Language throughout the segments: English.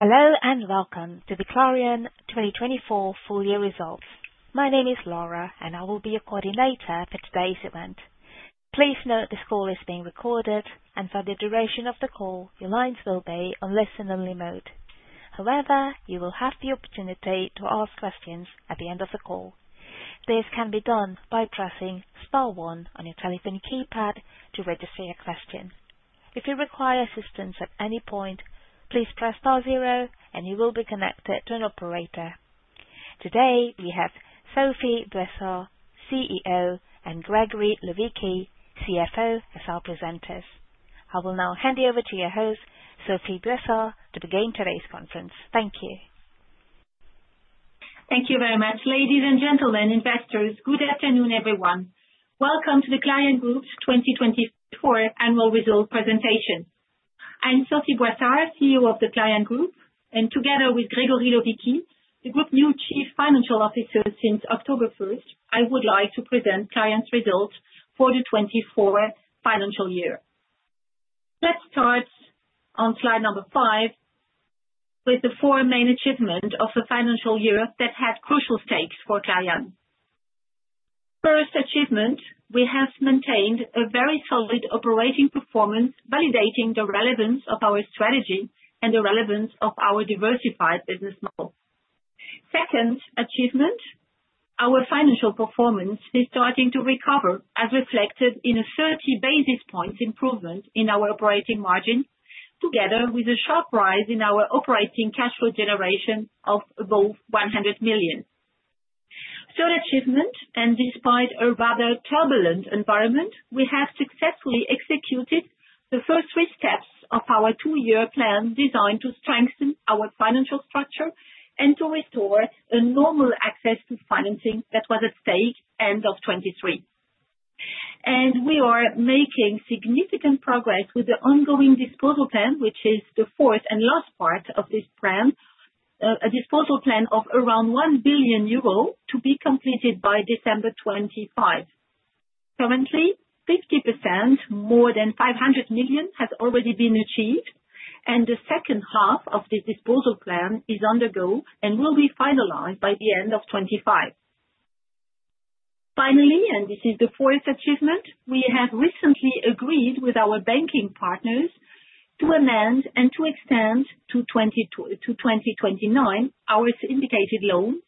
Hello and welcome to the Clariane 2024 full year results. My name is Laura, and I will be your coordinator for today's event. Please note this call is being recorded, and for the duration of the call, your lines will be on listen-only mode. However, you will have the opportunity to ask questions at the end of the call. This can be done by pressing star one on your telephone keypad to register your question. If you require assistance at any point, please press star zero, and you will be connected to an operator. Today, we have Sophie Boissard, CEO, and Grégory Lovichi, CFO, as our presenters. I will now hand you over to your host, Sophie Boissard, to begin today's conference. Thank you. Thank you very much. Ladies and gentlemen, investors, good afternoon, everyone. Welcome to the Clariane Group's 2024 annual result presentation. I'm Sophie Boissard, CEO of the Clariane Group, and together with Grégory Lovichi, the group's new Chief Financial Officer since October 1st, I would like to present Clariane's results for the 2024 financial year. Let's start on slide number five with the four main achievements of the financial year that had crucial stakes for Clariane. First achievement, we have maintained a very solid operating performance, validating the relevance of our strategy and the relevance of our diversified business model. Second achievement, our financial performance is starting to recover, as reflected in a 30 bps improvement in our operating margin, together with a sharp rise in our operating cash flow generation of above 100 million. Third achievement, and despite a rather turbulent environment, we have successfully executed the first three steps of our two-year plan designed to strengthen our financial structure and to restore a normal access to financing that was at stake at the end of 2023. And we are making significant progress with the ongoing disposal plan, which is the fourth and last part of this plan, a disposal plan of around 1 billion euro to be completed by December 2025. Currently, 50%, more than 500 million, has already been achieved, and the second half of the disposal plan is undergoing and will be finalized by the end of 2025. Finally, and this is the fourth achievement, we have recently agreed with our banking partners to amend and to extend to 2029 our syndicated loan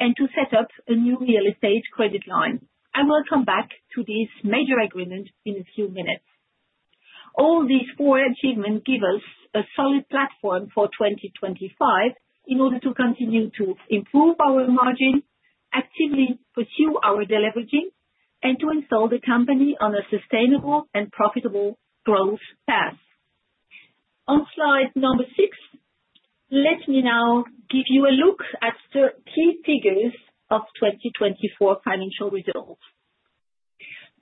and to set up a new real estate credit line. I will come back to this major agreement in a few minutes. All these four achievements give us a solid platform for 2025 in order to continue to improve our margin, actively pursue our deleveraging, and to install the company on a sustainable and profitable growth path. On slide number six, let me now give you a look at the key figures of 2024 financial results.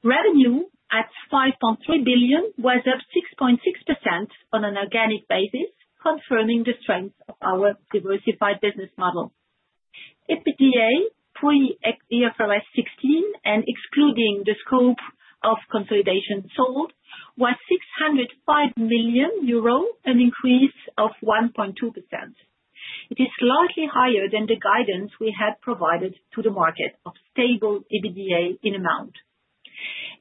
Revenue at 5.3 billion was up 6.6% on an organic basis, confirming the strength of our diversified business model. EBITDA pre-IFRS 16, and excluding the scope of consolidation sold, was 605 million euro, an increase of 1.2%. It is slightly higher than the guidance we had provided to the market of stable EBITDA in amount.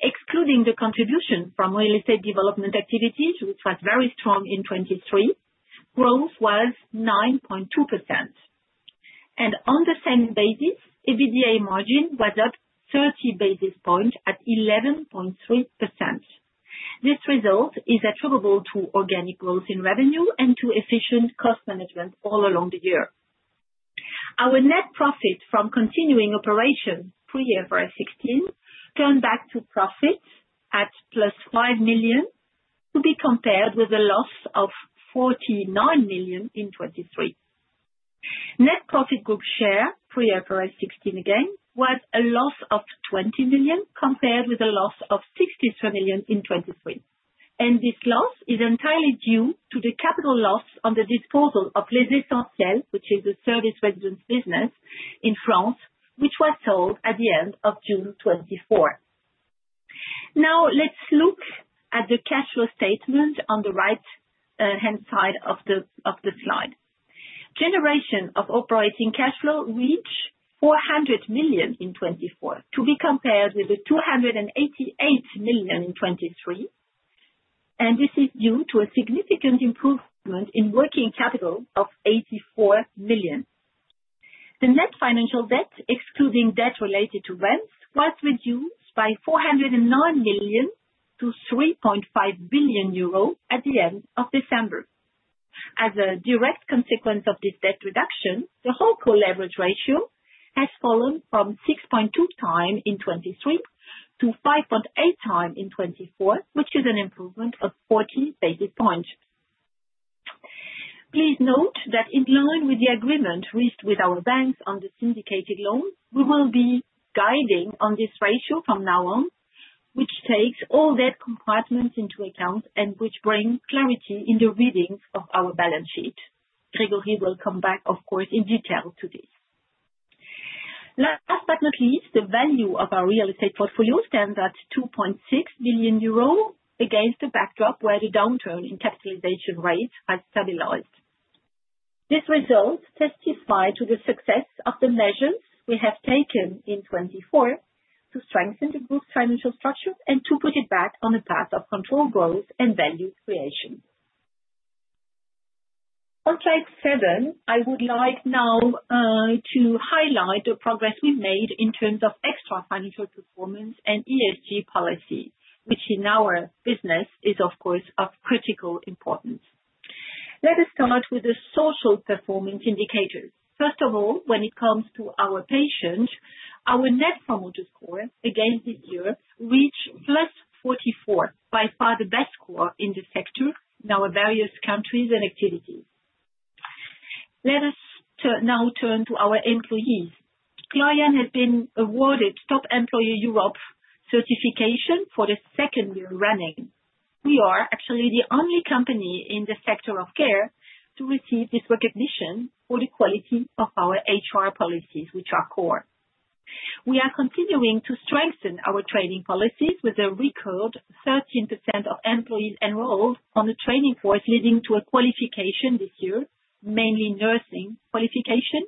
Excluding the contribution from real estate development activities, which was very strong in 2023, growth was 9.2%. On the same basis, EBITDA margin was up 30 bps at 11.3%. This result is attributable to organic growth in revenue and to efficient cost management all along the year. Our net profit from continuing operations pre-IFRS 16 turned back to profit at +5 million to be compared with a loss of 49 million in 2023. Net profit group share pre-IFRS 16 again was a loss of 20 million compared with a loss of 63 million in 2023. This loss is entirely due to the capital loss on the disposal of Les Essentiels, which is a service residence business in France, which was sold at the end of June 2024. Now, let's look at the cash flow statement on the right-hand side of the slide. Generation of operating cash flow reached 400 million in 2024 to be compared with the 288 million in 2023. And this is due to a significant improvement in working capital of 84 million. The net financial debt, excluding debt related to rent, was reduced by 409 million to 3.5 billion euros at the end of December. As a direct consequence of this debt reduction, the WholeCo leverage ratio has fallen from 6.2 times in 2023 to 5.8 times in 2024, which is an improvement of 40 bps. Please note that in line with the agreement reached with our banks on the syndicated loan, we will be guiding on this ratio from now on, which takes all debt compartments into account and which brings clarity in the readings of our balance sheet. Grégory will come back, of course, in detail to this. Last but not least, the value of our real estate portfolio stands at 2.6 billion euro against the backdrop where the downturn in capitalization rates has stabilized. This result testifies to the success of the measures we have taken in 2024 to strengthen the group's financial structure and to put it back on a path of controlled growth and value creation. On slide seven, I would like now to highlight the progress we've made in terms of extra financial performance and ESG policy, which in our business is, of course, of critical importance. Let us start with the social performance indicators. First of all, when it comes to our patients, our net promoter score again this year reached +44, by far the best score in the sector in our various countries and activities. Let us now turn to our employees. Clariane has been awarded Top Employer Europe certification for the second year running. We are actually the only company in the sector of care to receive this recognition for the quality of our HR policies, which are core. We are continuing to strengthen our training policies with a record 13% of employees enrolled on the training course, leading to a qualification this year, mainly nursing qualification,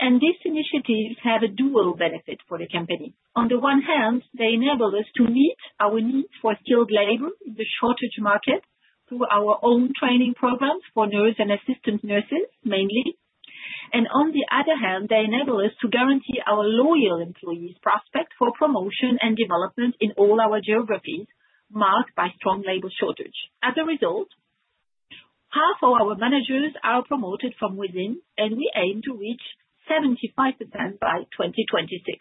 and these initiatives have a dual benefit for the company. On the one hand, they enable us to meet our needs for skilled labor in the shortage market through our own training programs for nurse and assistant nurses, mainly, and on the other hand, they enable us to guarantee our loyal employees' prospects for promotion and development in all our geographies marked by strong labor shortage. As a result, half of our managers are promoted from within, and we aim to reach 75% by 2026.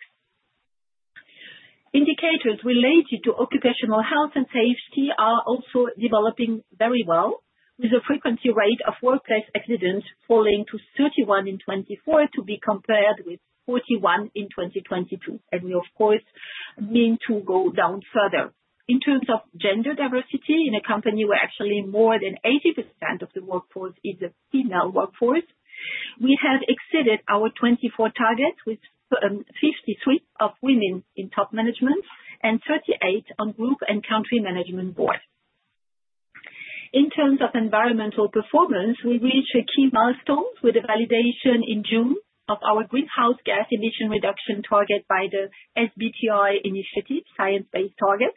Indicators related to occupational health and safety are also developing very well, with a frequency rate of workplace accidents falling to 31 in 2024 to be compared with 41 in 2022. And we, of course, mean to go down further. In terms of gender diversity in a company where actually more than 80% of the workforce is a female workforce, we have exceeded our 2024 target with 53% of women in top management and 38% on group and country management boards. In terms of environmental performance, we reached key milestones with a validation in June of our greenhouse gas emission reduction target by the SBTi initiative, science-based target.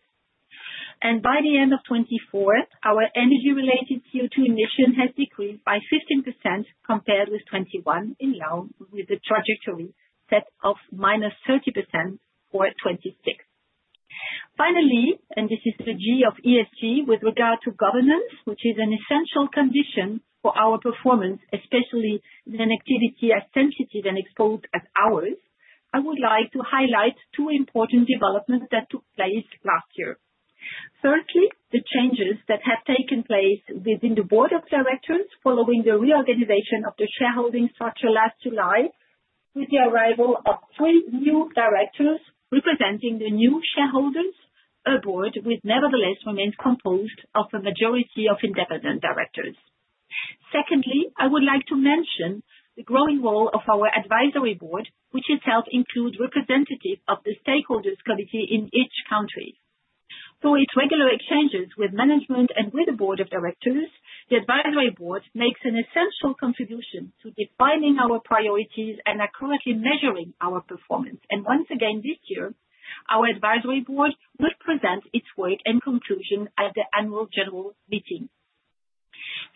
And by the end of 2024, our energy-related CO2 emission has decreased by 15% compared with 2021, along with the trajectory set of minus 30% for 2026. Finally, and this is the G of ESG with regard to governance, which is an essential condition for our performance, especially in an activity as sensitive and exposed as ours, I would like to highlight two important developments that took place last year. Firstly, the changes that have taken place within the board of directors following the reorganization of the shareholding structure last July with the arrival of three new directors representing the new shareholders, a board which nevertheless remains composed of a majority of independent directors. Secondly, I would like to mention the growing role of our advisory board, which itself includes representatives of the stakeholders' committee in each country. Through its regular exchanges with management and with the board of directors, the advisory board makes an essential contribution to defining our priorities and accurately measuring our performance. Once again this year, our advisory board will present its work and conclusion at the annual general meeting.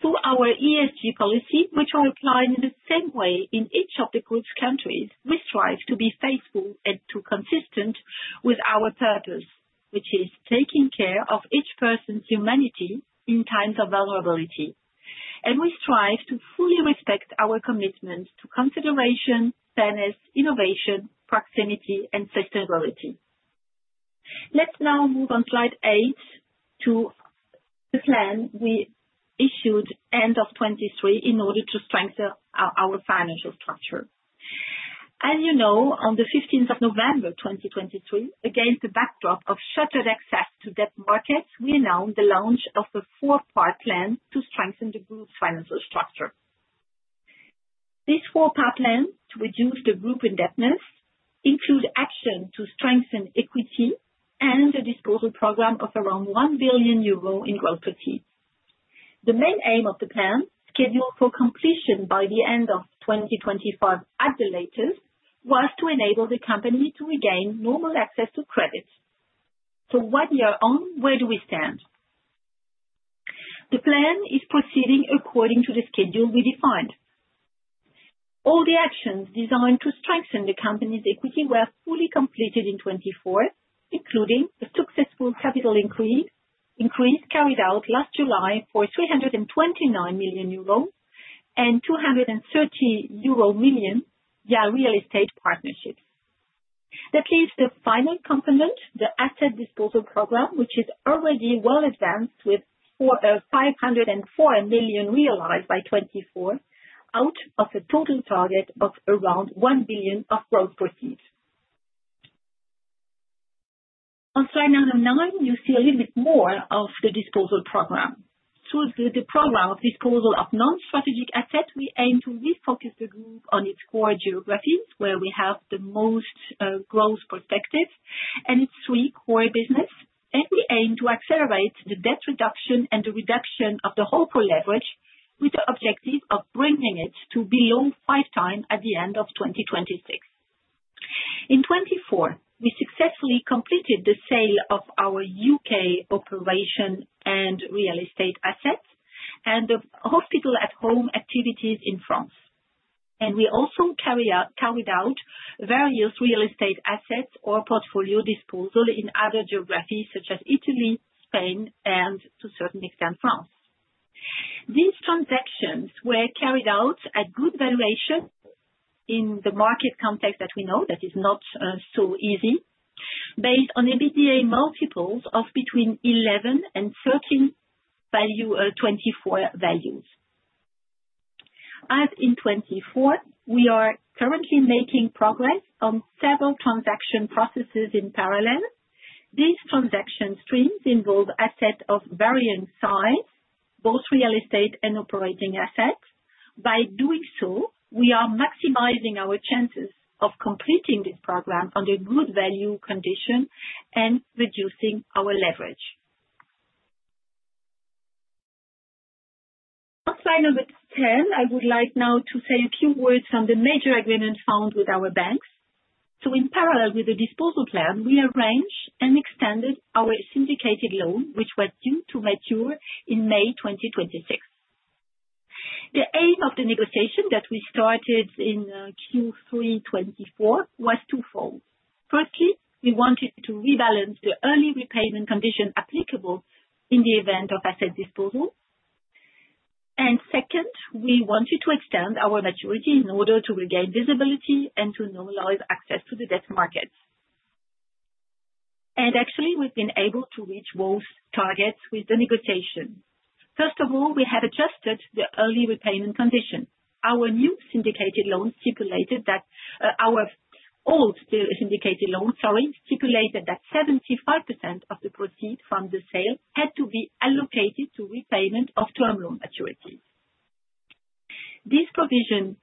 Through our ESG policy, which are applied in the same way in each of the group's countries, we strive to be faithful and to be consistent with our purpose, which is taking care of each person's humanity in times of vulnerability. We strive to fully respect our commitments to consideration, fairness, innovation, proximity, and sustainability. Let's now move on slide eight to the plan we issued end of 2023 in order to strengthen our financial structure. As you know, on the 15th of November, 2023, against the backdrop of shuttered access to debt markets, we announced the launch of a four-part plan to strengthen the group's financial structure. These four-part plans to reduce the group's indebtedness include action to strengthen equity and a disposal program of around 1 billion euro in non-core assets. The main aim of the plan, scheduled for completion by the end of 2025 at the latest, was to enable the company to regain normal access to credit. So one year on, where do we stand? The plan is proceeding according to the schedule we defined. All the actions designed to strengthen the company's equity were fully completed in 2024, including a successful capital increase carried out last July for 329 million euros and 230 million euro via real estate partnerships. That leaves the final component, the asset disposal program, which is already well advanced with 504 million realized by 2024 out of a total target of around 1 billion of gross proceeds. On slide number nine, you see a little bit more of the disposal program. Through the program of disposal of non-strategic assets, we aim to refocus the group on its core geographies where we have the most growth perspective and its three core businesses. We aim to accelerate the debt reduction and the reduction of the WholeCo leverage with the objective of bringing it to below five times at the end of 2026. In 2024, we successfully completed the sale of our U.K. operation and real estate assets and the hospital-at-home activities in France. We also carried out various real estate assets or portfolio disposal in other geographies such as Italy, Spain, and to a certain extent France. These transactions were carried out at good valuation in the market context that we know is not so easy, based on EBITDA multiples between 11x and 13x 2024 values. As in 2024, we are currently making progress on several transaction processes in parallel. These transaction streams involve assets of varying size, both real estate and operating assets. By doing so, we are maximizing our chances of completing this program under good value conditions and reducing our leverage. On slide number 10, I would like now to say a few words on the major agreement found with our banks. So in parallel with the disposal plan, we arranged and extended our syndicated loan, which was due to mature in May 2026. The aim of the negotiation that we started in Q3 2024 was twofold. Firstly, we wanted to rebalance the early repayment condition applicable in the event of asset disposal. And second, we wanted to extend our maturity in order to regain visibility and to normalize access to the debt markets. Actually, we've been able to reach both targets with the negotiation. First of all, we have adjusted the early repayment condition. Our new syndicated loan stipulated that our old syndicated loan, sorry, stipulated that 75% of the proceeds from the sale had to be allocated to repayment of term loan maturities. This provision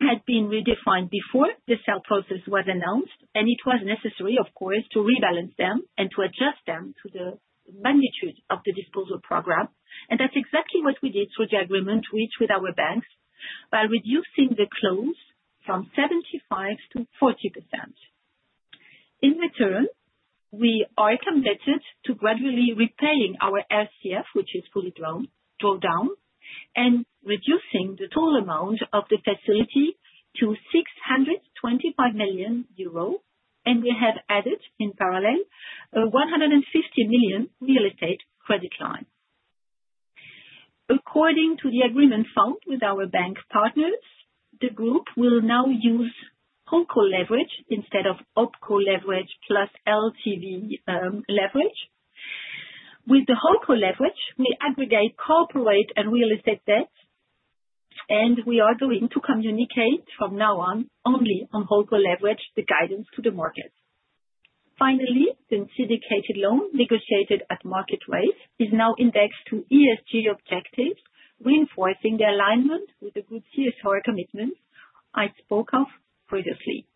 had been redefined before the sale process was announced, and it was necessary, of course, to rebalance them and to adjust them to the magnitude of the disposal program. And that's exactly what we did through the agreement reached with our banks by reducing the clause from 75% to 40%. In return, we are committed to gradually repaying our RCF, which is fully drawn down, and reducing the total amount of the facility to 625 million euro. And we have added in parallel a 150 million real estate credit line. According to the agreement found with our bank partners, the group will now use WholeCo leverage instead of OpCo leverage plus LTV leverage. With the WholeCo leverage, we aggregate corporate and real estate debts, and we are going to communicate from now on only on WholeCo leverage the guidance to the markets. Finally, the syndicated loan negotiated at market rates is now indexed to ESG objectives, reinforcing the alignment with the good CSR commitments I spoke of previously.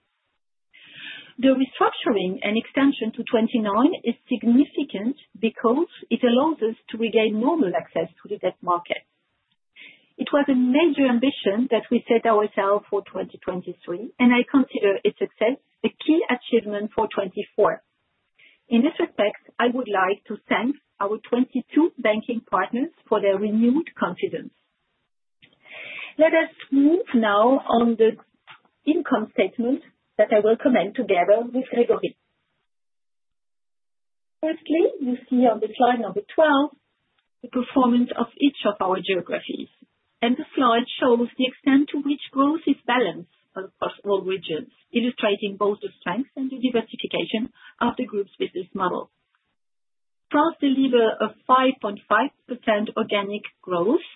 The restructuring and extension to 2029 is significant because it allows us to regain normal access to the debt market. It was a major ambition that we set ourselves for 2023, and I consider its success a key achievement for 2024. In this respect, I would like to thank our 22 banking partners for their renewed confidence. Let us move now on the income statement that I will comment together with Grégory. Firstly, you see on the slide number 12 the performance of each of our geographies, and the slide shows the extent to which growth is balanced across all regions, illustrating both the strengths and the diversification of the group's business model. France delivered a 5.5% organic growth,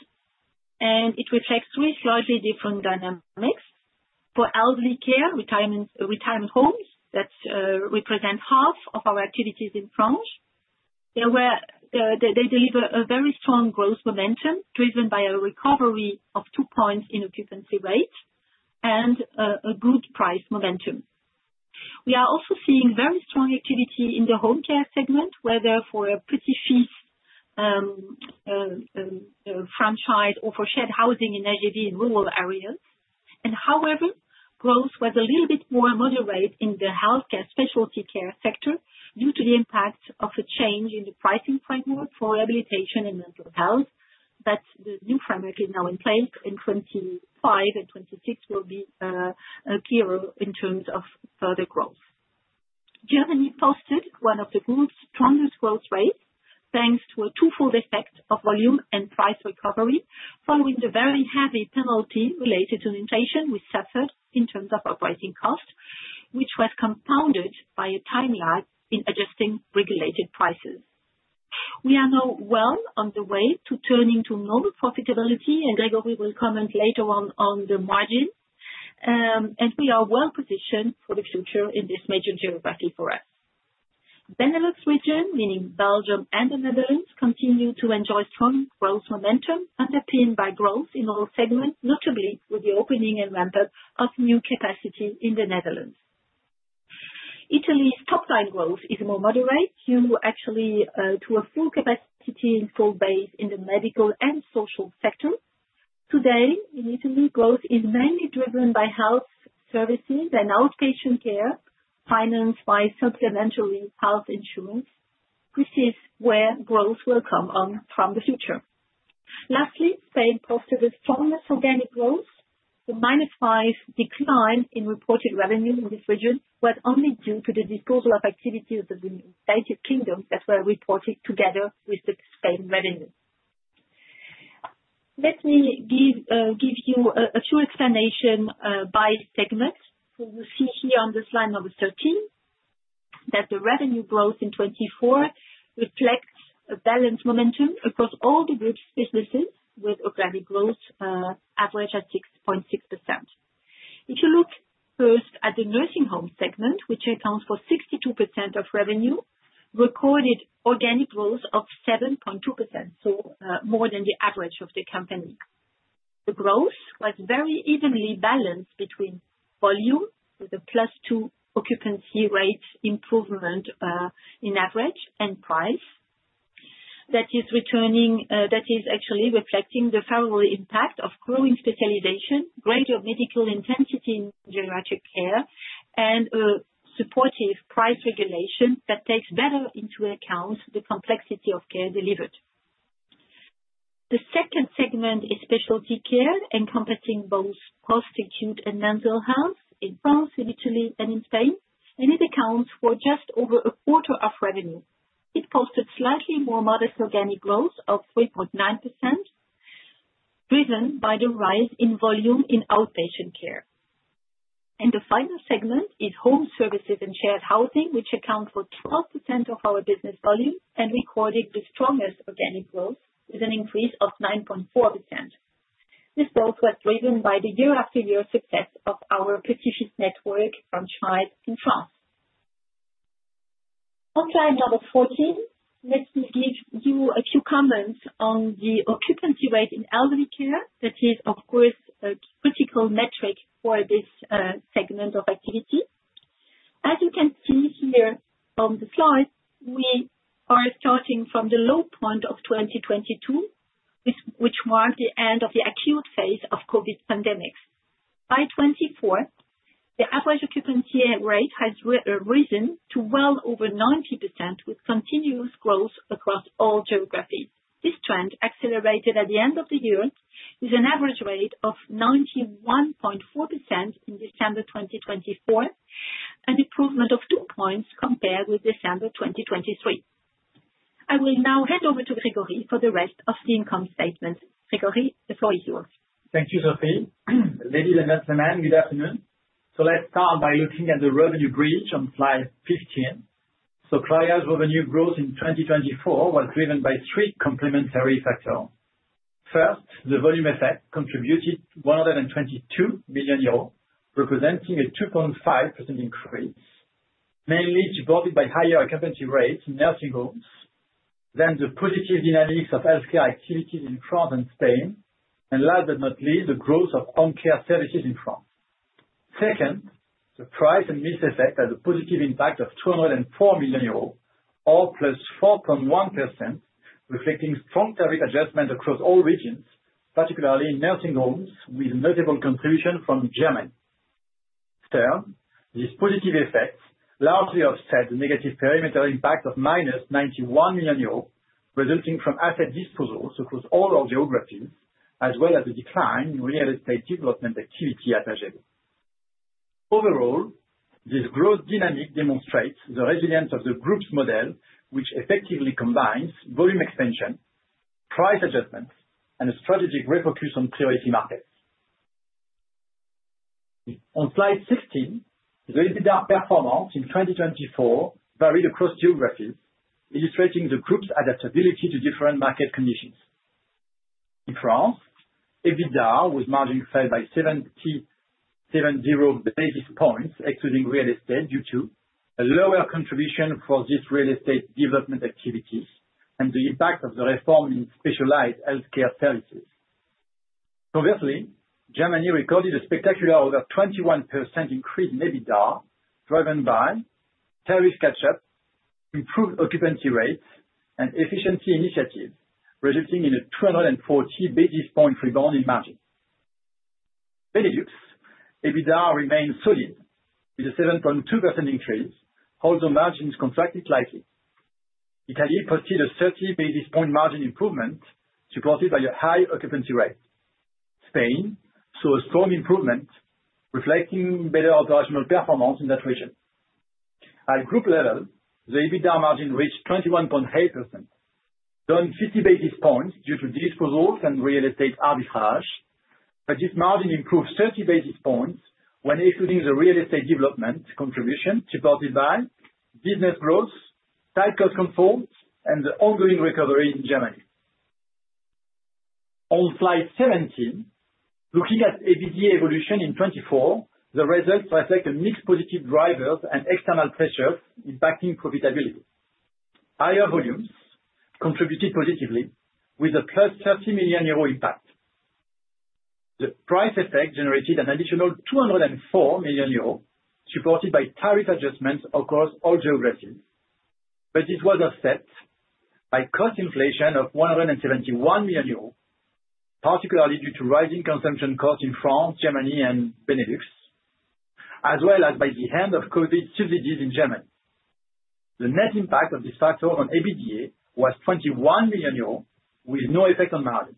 and it reflects three slightly different dynamics. For elderly care, retirement homes, that represent half of our activities in France, they deliver a very strong growth momentum driven by a recovery of two points in occupancy rate and a good price momentum. We are also seeing very strong activity in the home care segment, whether for a Petits-fils franchise or for shared housing in Ages & Vie in rural areas, and however, growth was a little bit more moderate in the healthcare specialty care sector due to the impact of a change in the pricing framework for rehabilitation and mental health. But the new framework is now in place in 2025 and 2026 will be clearer in terms of further growth. Germany posted one of the group's strongest growth rates thanks to a twofold effect of volume and price recovery following the very heavy penalty related to inflation we suffered in terms of operating cost, which was compounded by a time lag in adjusting regulated prices. We are now well on the way to turning to normal profitability, and Grégory will comment later on the margin. And we are well positioned for the future in this major geography for us. Benelux region, meaning Belgium and the Netherlands, continue to enjoy strong growth momentum underpinned by growth in all segments, notably with the opening and ramp-up of new capacity in the Netherlands. Italy's top-line growth is more moderate, actually due to full capacity in full beds in the medical and social sector. Today, in Italy, growth is mainly driven by health services and outpatient care, financed by supplementary health insurance, which is where growth will come from in the future. Lastly, Spain posted the strongest organic growth. The -5% decline in reported revenue in this region was only due to the disposal of activities of the United Kingdom that were reported together with the Spain revenue. Let me give you a few explanations by segments. So you see here on the slide number 13 that the revenue growth in 2024 reflects a balanced momentum across all the group's businesses with organic growth averaged at 6.6%. If you look first at the nursing home segment, which accounts for 62% of revenue, recorded organic growth of 7.2%, so more than the average of the company. The growth was very evenly balanced between volume, with a +2 occupancy rate improvement on average, and price. That is actually reflecting the thorough impact of growing specialization, greater medical intensity in geriatric care, and a supportive price regulation that takes better into account the complexity of care delivered. The second segment is specialty care, encompassing both post-acute and mental health in France, in Italy, and in Spain, and it accounts for just over a quarter of revenue. It posted slightly more modest organic growth of 3.9%, driven by the rise in volume in outpatient care. And the final segment is home services and shared housing, which accounts for 12% of our business volume and recorded the strongest organic growth with an increase of 9.4%. This growth was driven by the year-after-year success of our prestigious network franchise in France. On slide number 14, let me give you a few comments on the occupancy rate in elderly care. That is, of course, a critical metric for this segment of activity. As you can see here on the slide, we are starting from the low point of 2022, which marked the end of the acute phase of COVID pandemic. By 2024, the average occupancy rate has risen to well over 90% with continuous growth across all geographies. This trend accelerated at the end of the year with an average rate of 91.4% in December 2024, an improvement of two points compared with December 2023. I will now hand over to Grégory for the rest of the income statement. Grégory, the floor is yours. Thank you, Sophie. Ladies and gentlemen, good afternoon. So let's start by looking at the revenue bridge on slide 15. So Clariane's revenue growth in 2024 was driven by three complementary factors. First, the volume effect contributed 122 million euros, representing a 2.5% increase, mainly supported by higher occupancy rates in nursing homes, then the positive dynamics of healthcare activities in France and Spain, and last but not least, the growth of home care services in France. Second, the price and mix effect had a positive impact of 204 million euros, a +4.1%, reflecting strong tariff adjustment across all regions, particularly in nursing homes, with a notable contribution from Germany. Third, this positive effect largely offset the negative perimeter impact of minus 91 million euros, resulting from asset disposals across all our geographies, as well as the decline in real estate development activity at Ages & Vie. Overall, this growth dynamic demonstrates the resilience of the group's model, which effectively combines volume expansion, price adjustments, and a strategic refocus on priority markets. On slide 16, the EBITDA performance in 2024 varied across geographies, illustrating the group's adaptability to different market conditions. In France, EBITDA was marginalized by 770 bps, excluding real estate, due to a lower contribution for this real estate development activities and the impact of the reform in specialized healthcare services. Conversely, Germany recorded a spectacular over 21% increase in EBITDA, driven by tariff catch-up, improved occupancy rates, and efficiency initiatives, resulting in a 240 bps rebound in margin. Benelux, EBITDA remained solid with a 7.2% increase, although margins contracted slightly. Italy posted a 30 bp margin improvement supported by a high occupancy rate. Spain saw a strong improvement, reflecting better operational performance in that region. At group level, the EBITDA margin reached 21.8%, down 50 bps due to disposals and real estate arbitrage. But this margin improved 30 bps when excluding the real estate development contribution supported by business growth, cycle controls, and the ongoing recovery in Germany. On Slide 17, looking at EBITDA evolution in 2024, the results reflect a mixed positive drivers and external pressures impacting profitability. Higher volumes contributed positively, with a +30 million euro impact. The price effect generated an additional 204 million euro, supported by tariff adjustments across all geographies. But this was offset by cost inflation of 171 million euros, particularly due to rising consumption costs in France, Germany, and Benelux, as well as by the end of COVID subsidies in Germany. The net impact of this factor on EBITDA was 21 million euros, with no effect on margin.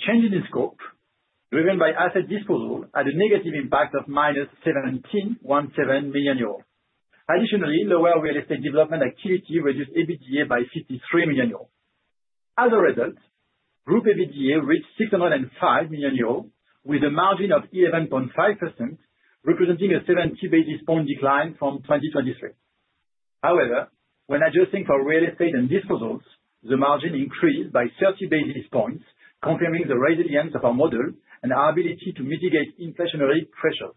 Change in scope, driven by asset disposal, had a negative impact of minus 17 million euros. Additionally, lower real estate development activity reduced EBITDA by 53 million euros. As a result, group EBITDA reached 605 million euros, with a margin of 11.5%, representing a 70 bp decline from 2023. However, when adjusting for real estate and disposals, the margin increased by 30 bps, confirming the resilience of our model and our ability to mitigate inflationary pressures.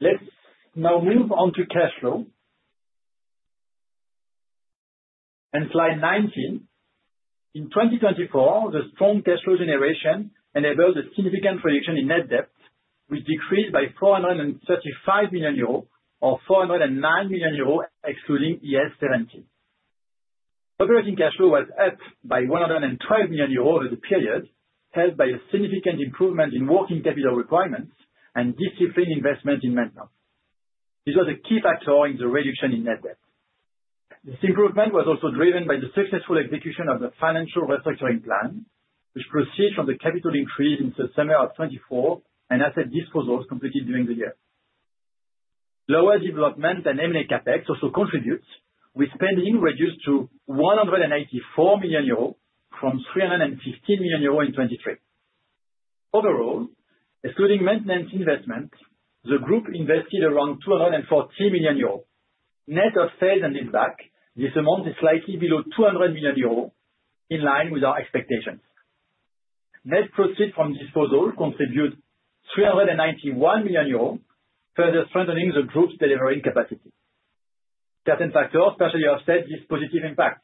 Let's now move on to cash flow and Slide 19. In 2024, the strong cash flow generation enabled a significant reduction in net debt, which decreased by 435 million euros, or 409 million euros, excluding IFRS 16. Operating cash flow was up by 112 million euros over the period, helped by a significant improvement in working capital requirements and disciplined investment in maintenance. This was a key factor in the reduction in net debt. This improvement was also driven by the successful execution of the financial restructuring plan, which proceeded from the capital increase in the summer of 2024 and asset disposals completed during the year. Lower development and M&A CapEx also contributed, with spending reduced to 184 million euros from 315 million euros in 2023. Overall, excluding maintenance investments, the group invested around 240 million euros. Net of sales and disposals, this amount is slightly below 200 million euros, in line with our expectations. Net profit from disposal contributed 391 million euros, further strengthening the group's delivery capacity. Certain factors partially offset this positive impact.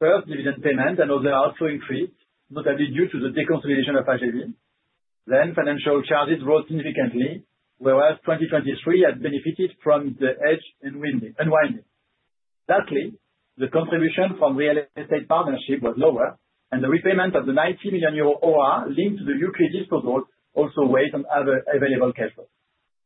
First, dividend payments and others also increased, notably due to the deconsolidation of Ages & Vie. Then, financial charges rose significantly, whereas 2023 had benefited from the hedge unwinding. Lastly, the contribution from real estate partnership was lower, and the repayment of the 90 million euro ORA linked to the U.K. disposal also weighed on other available cash flows.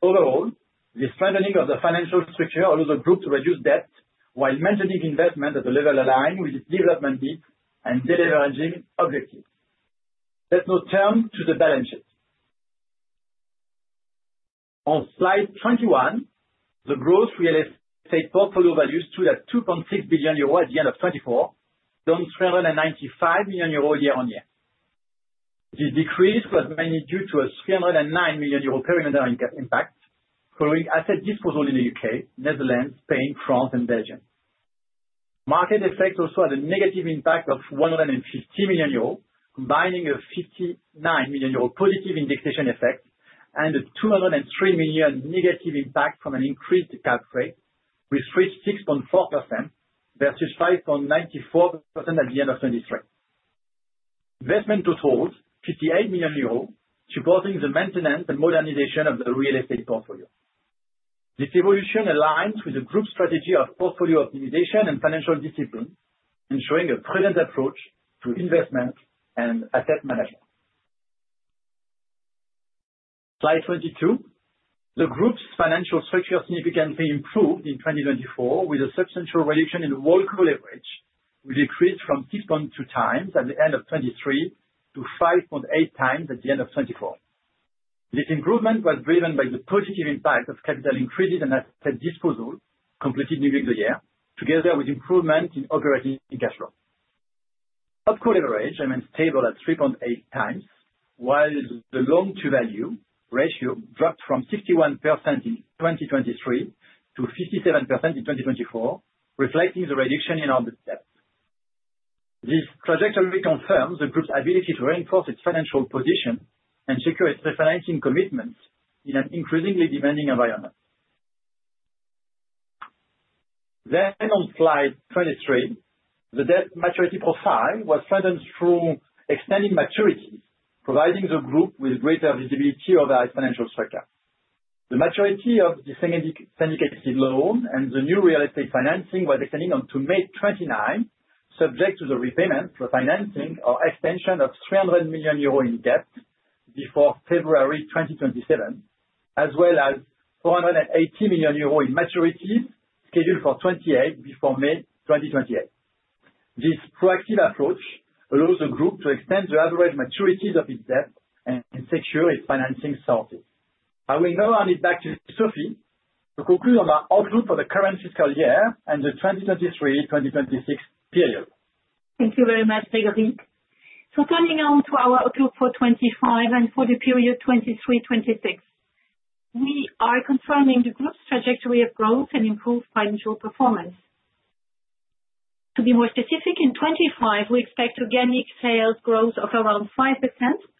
Overall, the strengthening of the financial structure allowed the group to reduce debt while maintaining investment at a level aligned with its development needs and delivering objectives. Let's now turn to the balance sheet. On Slide 21, the gross real estate portfolio value stood at 2.6 billion euro at the end of 2024, down 395 million euro year-on-year. This decrease was mainly due to a 309 million euro perimeter impact following asset disposal in the U.K., Netherlands, Spain, France, and Belgium. Market effects also had a negative impact of 150 million euros, combining a 59 million euro positive indexation effect and a 203 million negative impact from an increased cap rate, which reached 6.4% versus 5.94% at the end of 2023. Investment totaled 58 million euros, supporting the maintenance and modernization of the real estate portfolio. This evolution aligns with the group's strategy of portfolio optimization and financial discipline, ensuring a prudent approach to investment and asset management. Slide 22. The group's financial structure significantly improved in 2024, with a substantial reduction in WholeCo leverage, which decreased from 6.2 times at the end of 2023 to 5.8 times at the end of 2024. This improvement was driven by the positive impact of capital increases and asset disposal completed during the year, together with improvements in operating cash flow. Upward leverage remained stable at 3.8 times, while the loan-to-value ratio dropped from 61% in 2023 to 57% in 2024, reflecting the reduction in outstandings. This trajectory confirms the group's ability to reinforce its financial position and secure its refinancing commitments in an increasingly demanding environment. Then, on Slide 23, the debt maturity profile was strengthened through extending maturities, providing the group with greater visibility over its financial structure. The maturity of the syndicated loan and the new real estate financing was extended until May 29, subject to the repayment for financing or extension of 300 million euro in debt before February 2027, as well as 480 million euro in maturities scheduled for 2028 before May 2028. This proactive approach allows the group to extend the average maturities of its debt and secure its financing sources. I will now hand it back to Sophie to conclude on our outlook for the current fiscal year and the 2023-2026 period. Thank you very much, Grégory. Turning to our outlook for 2025 and for the period 2023-2026, we are confirming the group's trajectory of growth and improved financial performance. To be more specific, in 2025, we expect organic sales growth of around 5%,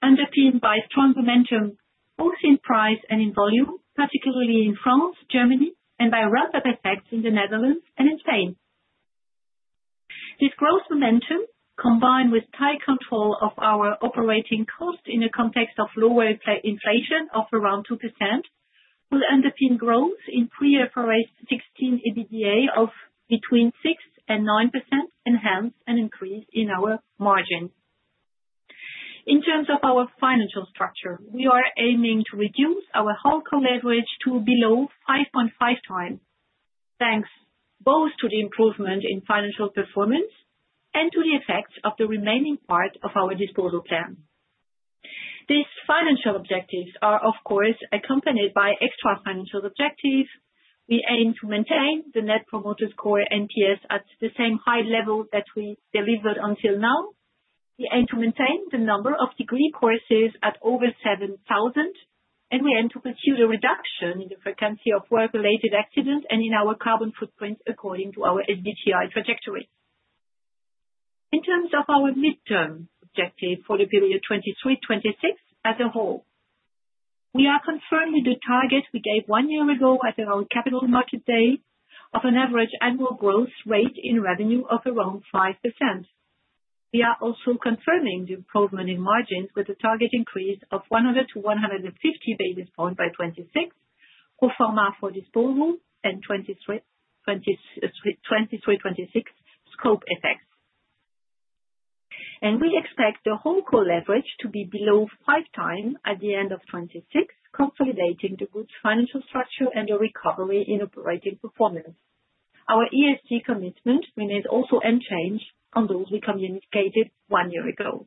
underpinned by strong momentum both in price and in volume, particularly in France, Germany, and by ramp-up effects in the Netherlands and in Spain. This growth momentum, combined with tight control of our operating costs in the context of lower inflation of around 2%, will underpin growth in IFRS 16 EBITDA of between 6% and 9%, enhanced and increased in our margin. In terms of our financial structure, we are aiming to reduce our WholeCo leverage to below 5.5 times, thanks both to the improvement in financial performance and to the effects of the remaining part of our disposal plan. These financial objectives are, of course, accompanied by non-financial objectives. We aim to maintain the net promoter score (NPS) at the same high level that we delivered until now. We aim to maintain the number of degree courses at over 7,000, and we aim to pursue the reduction in the frequency of work-related accidents and in our carbon footprint according to our SBTi trajectory. In terms of our midterm objective for the period 2023-2026 as a whole, we are confirmed with the target we gave one year ago at our capital market day of an average annual growth rate in revenue of around 5%. We are also confirming the improvement in margins with a target increase of 100 bps to 150 bps by 2026, pro forma for disposal and 2023-2026 scope effects. And we expect the WholeCo leverage to be below five times at the end of 2026, consolidating the group's financial structure and the recovery in operating performance. Our ESG commitment remains also unchanged on those we communicated one year ago.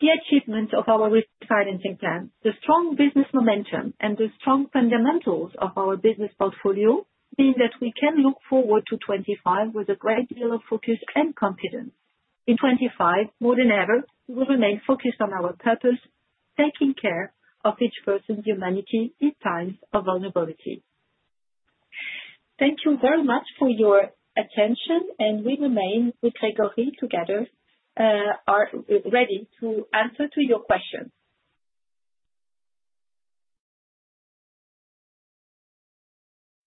The achievements of our refinancing plan, the strong business momentum, and the strong fundamentals of our business portfolio mean that we can look forward to 2025 with a great deal of focus and confidence. In 2025, more than ever, we will remain focused on our purpose, taking care of each person's humanity in times of vulnerability. Thank you very much for your attention, and we remain with Grégory together, ready to answer your questions.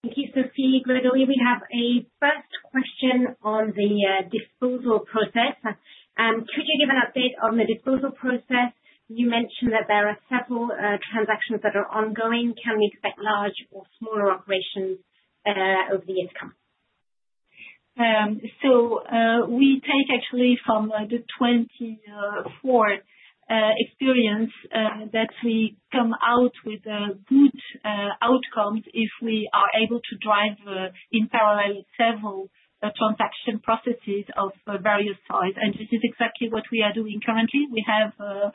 Thank you, Sophie. By the way, we have a first question on the disposal process. Could you give an update on the disposal process? You mentioned that there are several transactions that are ongoing. Can we expect large or smaller operations over the years to come? So, we take actually from the 2024 experience that we come out with good outcomes if we are able to drive in parallel several transaction processes of various size. And this is exactly what we are doing currently. We have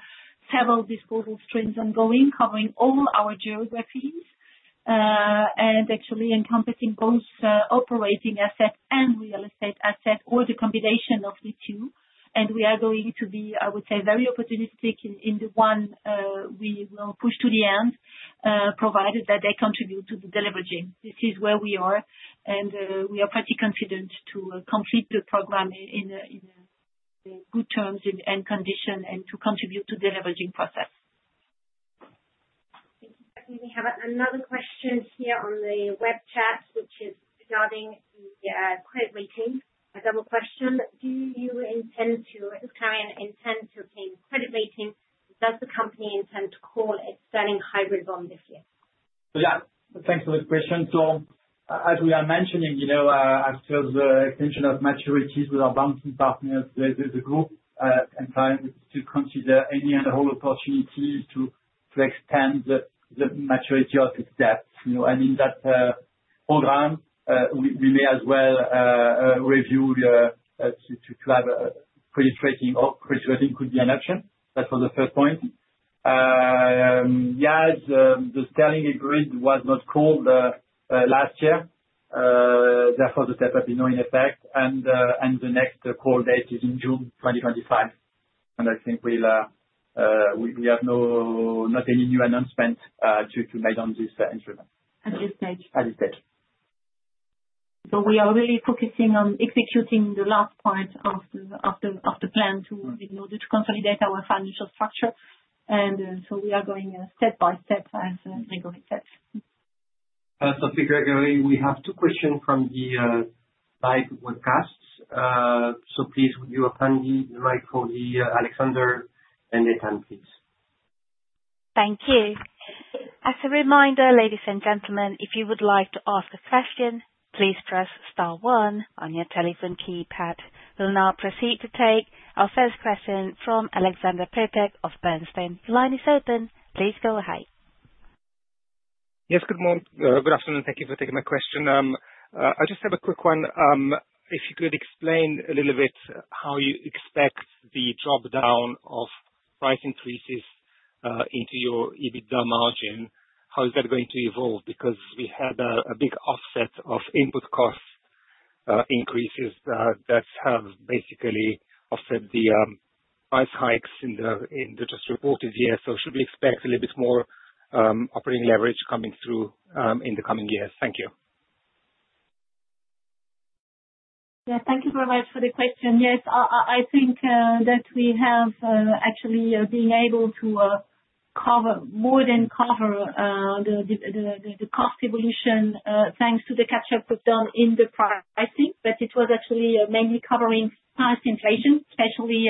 several disposal streams ongoing, covering all our geographies and actually encompassing both operating assets and real estate assets or the combination of the two. And we are going to be, I would say, very opportunistic in the one we will push to the end, provided that they contribute to the delivery team. This is where we are, and we are pretty confident to complete the program in good terms and conditions and to contribute to the delivery process. Thank you. We have another question here on the web chat, which is regarding the credit rating. A double question. Do you intend to, as Clariane intends to obtain credit rating, does the company intend to call its existing hybrid bond this year? Yeah, thanks for the question. So, as we are mentioning, after the extension of maturities with our banking partners, the Group intends to consider any and all opportunities to extend the maturity of its debt. And in that program, we may as well review to have credit rating or credit rating could be an option. That was the first point. Yes, the existing hybrid was not called last year. Therefore, the cap has been now in effect, and the next call date is in June 2025. And I think we have not any new announcement to make on this instrument. At this stage. So, we are really focusing on executing the last point of the plan to consolidate our financial structure. And so, we are going step by step, as Grégory said. Sophie, Grégory, we have two questions from the live webcast. So, please, would you hand the mic to Alex and Ethan, please? Thank you. As a reminder, ladies and gentlemen, if you would like to ask a question, please press star one on your telephone keypad. We'll now proceed to take our first question from Alex Pearce of Bernstein. The line is open. Please go ahead. Yes, good morning. Good afternoon. Thank you for taking my question. I just have a quick one. If you could explain a little bit how you expect the dropdown of price increases into your EBITDA margin, how is that going to evolve? Because we had a big offset of input cost increases that have basically offset the price hikes in the just reported year. So, should we expect a little bit more operating leverage coming through in the coming years? Thank you. Yeah, thank you very much for the question. Yes, I think that we have actually been able to cover more than cover the cost evolution thanks to the catch-up we've done in the pricing, but it was actually mainly covering price inflation, especially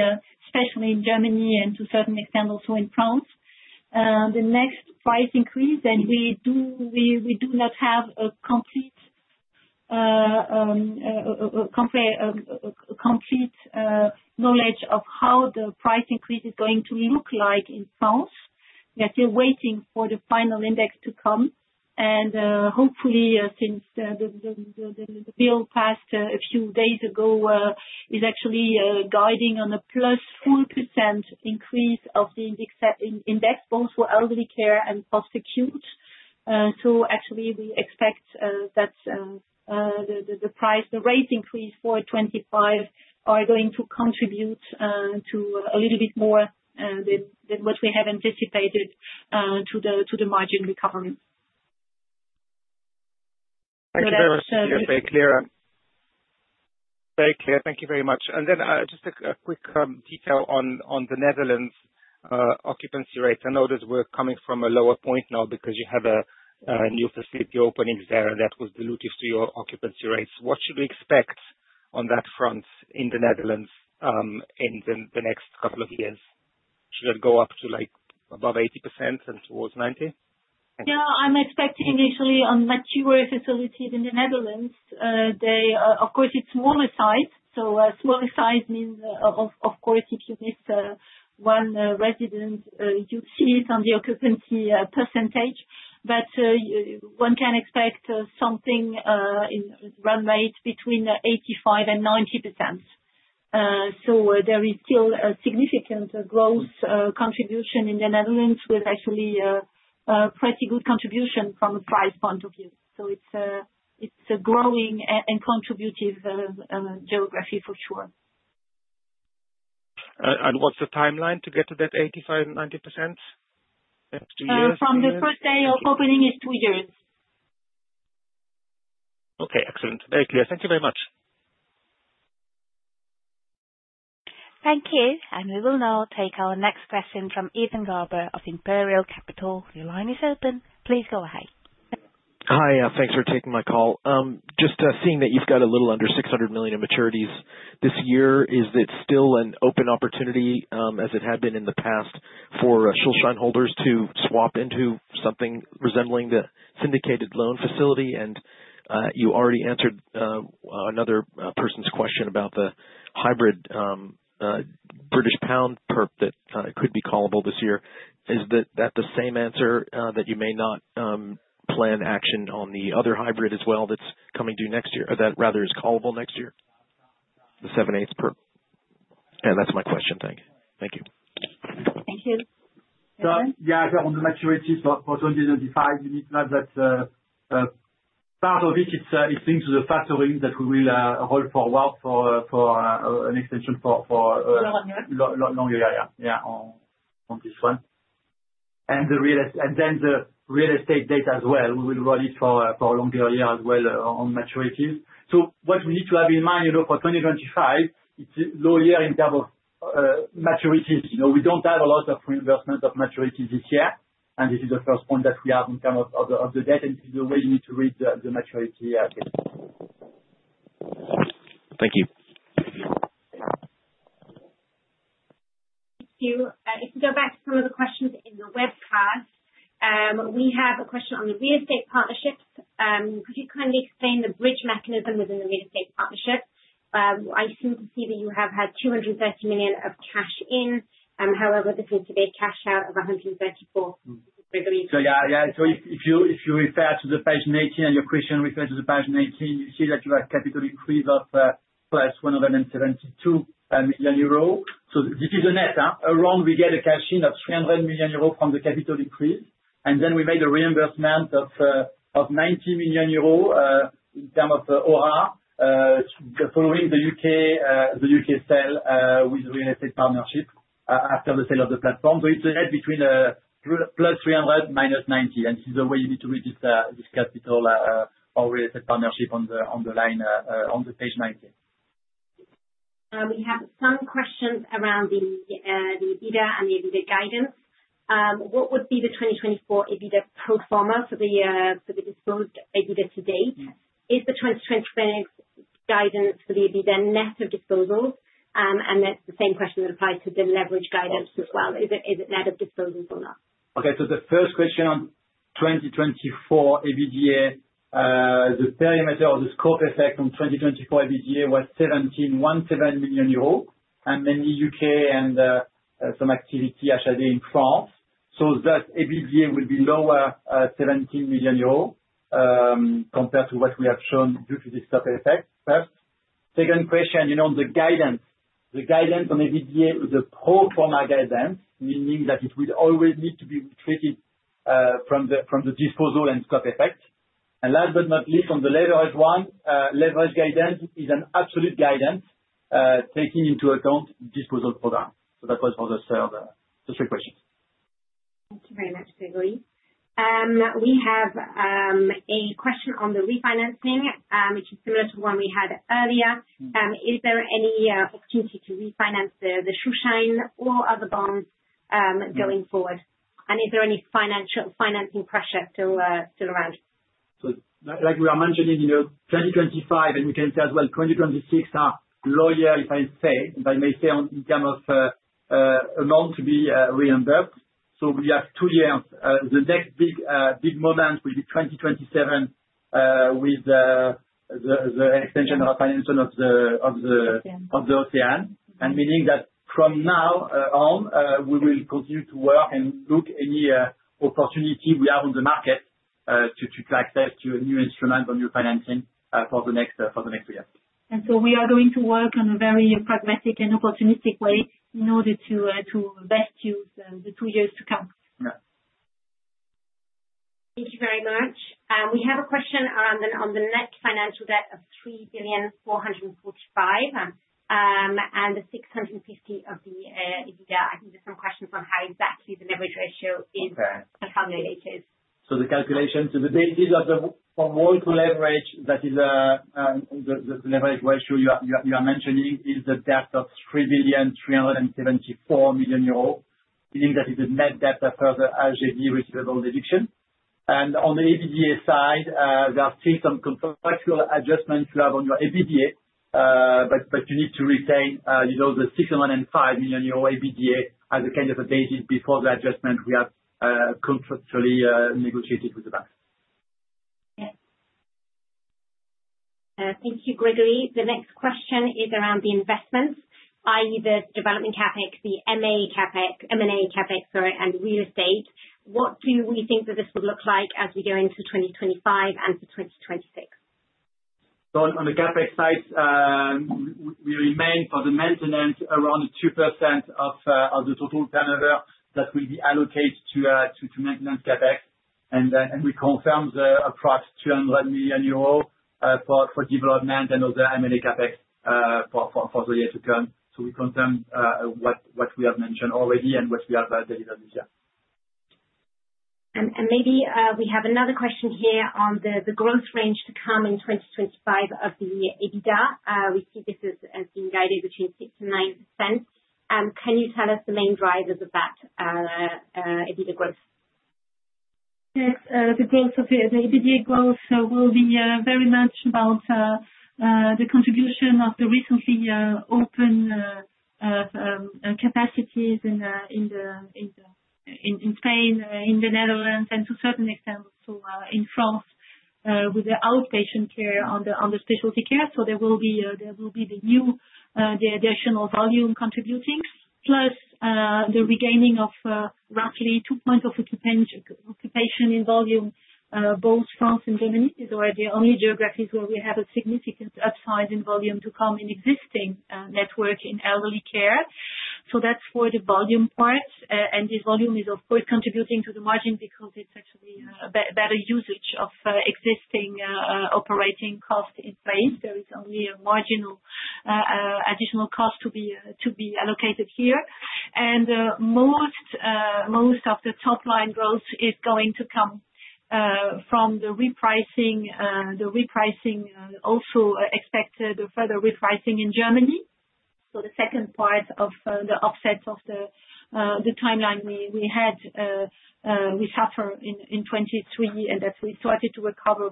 in Germany and to a certain extent also in France. The next price increase, and we do not have a complete knowledge of how the price increase is going to look like in France. We are still waiting for the final index to come, and hopefully, since the bill passed a few days ago, it is actually guiding on a +4% increase of the index, both for elderly care and post-acute. So, actually, we expect that the rate increase for 2025 are going to contribute to a little bit more than what we have anticipated to the margin recovery. Thank you very much. Very clear. Very clear. Thank you very much. And then just a quick detail on the Netherlands occupancy rate. I know that we're coming from a lower point now because you have new facility openings there, and that was dilutive to your occupancy rates. What should we expect on that front in the Netherlands in the next couple of years? Should it go up to above 80% and towards 90%? Yeah, I'm expecting initially on mature facilities in the Netherlands. Of course, it's smaller size. So, smaller size means, of course, if you miss one resident, you see it on the occupancy percentage. But one can expect something in run rates between 85% and 90%. So, there is still a significant growth contribution in the Netherlands with actually a pretty good contribution from a price point of view. So, it's a growing and contributive geography for sure. And what's the timeline to get to that 85% and 90% next two years? From the first day of opening in two years. Okay, excellent. Very clear. Thank you very much. Thank you. And we will now take our next question from Ethan Garber of Imperial Capital. The line is open. Please go ahead. Hi, thanks for taking my call. Just seeing that you've got a little under 600 million in maturities this year, is it still an open opportunity as it had been in the past for Schuldschein holders to swap into something resembling the syndicated loan facility? And you already answered another person's question about the hybrid GBP perp that could be callable this year. Is that the same answer that you may not plan action on the other hybrid as well that's coming due next year or that rather is callable next year, the seven-eighths perp? And that's my question. Thank you. Thank you. Ethan? Yeah, I think on the maturities for 2025, you need to have that part of it. It's linked to the factoring that we will roll forward for an extension for a longer year. Yeah, yeah, on this one. And then the real estate data as well. We will roll it for a longer year as well on maturities. So, what we need to have in mind for 2025, it's a low year in terms of maturities. We don't have a lot of reimbursement of maturities this year. And this is the first point that we have in terms of the debt, and this is the way you need to read the maturity date. Thank you. Thank you. If we go back to some of the questions in the webcast, we have a question on the real estate partnerships. Could you kindly explain the bridge mechanism within the real estate partnership? I seem to see that you have had 230 million of cash in. However, this is to be a cash out of 134 million. So, yeah, yeah. So, if you refer to page 19 and your question refers to page 19, you see that you have capital increase of +172 million euros. So, this is a net. Around, we get a cash in of 300 million euros from the capital increase. And then we made a reimbursement of 90 million euros in terms of IFRS following the UK sale with the real estate partnership after the sale of the platform. So, it's a net between +300 -90. And this is the way you need to read this capital or real estate partnership on the line on page 19. We have some questions around the EBITDA and the EBITDA guidance. What would be the 2024 EBITDA pro forma for the disposed EBITDA to date? Is the 2024 guidance for the EBITDA net of disposals? That's the same question that applies to the leverage guidance as well. Is it net of disposals or not? Okay, so the first question on 2024 EBITDA, the perimeter or the scope effect on 2024 EBITDA was 17 million euros, mainly UK and some activity in France. So, that EBITDA would be lower 17 million euros compared to what we have shown due to the scope effect. Second question, the guidance. The guidance on EBITDA is a proforma guidance, meaning that it will always need to be treated from the disposal and scope effect. And last but not least, on the leverage guidance, it is an absolute guidance taking into account disposal program. So, that was for the third question. Thank you very much, Grégory. We have a question on the refinancing, which is similar to the one we had earlier. Is there any opportunity to refinance the Schuldschein or other bonds going forward? And is there any financial financing pressure still around? So, like we are mentioning, 2025, and we can say as well 2026 are low year, if I may say, in terms of amount to be reimbursed. So, we have two years. The next big moment will be 2027 with the extension of the financing of the OpCo. And meaning that from now on, we will continue to work and look for any opportunity we have on the market to access new instruments on new financing for the next two years. And so, we are going to work in a very pragmatic and opportunistic way in order to best use the two years to come. Thank you very much. We have a question on the net financial debt of 3.445 billion and the 650 million of the EBITDA. I think there's some questions on how exactly the leverage ratio is and how low it is. So, the calculation, so the basis of the WholeCo leverage, that is the leverage ratio you are mentioning, is the debt of 3 billion euros 374 million, meaning that it is net debt after the eligible receivable deduction. And on the EBITDA side, there are still some contractual adjustments to have on your EBITDA, but you need to retain the 605 million euro EBITDA as a kind of a basis before the adjustment we have contractually negotiated with the bank. Thank you, Grégory. The next question is around the investments, i.e., the development CapEx, the M&A CapEx, sorry, and real estate. What do we think that this would look like as we go into 2025 and for 2026? So, on the CapEx side, we remain for the maintenance around 2% of the total turnover that will be allocated to maintenance CapEx. And we confirmed approximately 200 million euros for development and other M&A CapEx for the year to come. So, we confirmed what we have mentioned already and what we have delivered this year. And maybe we have another question here on the growth range to come in 2025 of the EBITDA. We see this as being guided between 6% and 9%. Can you tell us the main drivers of that EBITDA growth? Yes, the growth of the EBITDA growth will be very much about the contribution of the recently opened capacities in Spain, in the Netherlands, and to a certain extent also in France with the outpatient care on the specialty care. There will be the new additional volume contributing, plus the regaining of roughly 2.4% occupancy in volume. Both France and Germany are the only geographies where we have a significant upside in volume to come in existing network in elderly care. That's for the volume part. This volume is, of course, contributing to the margin because it's actually a better usage of existing operating cost in place. There is only a marginal additional cost to be allocated here. Most of the top-line growth is going to come from the repricing. The repricing also expected further repricing in Germany. The second part of the offset of the timeline we had. We suffer in 2023, and that we started to recover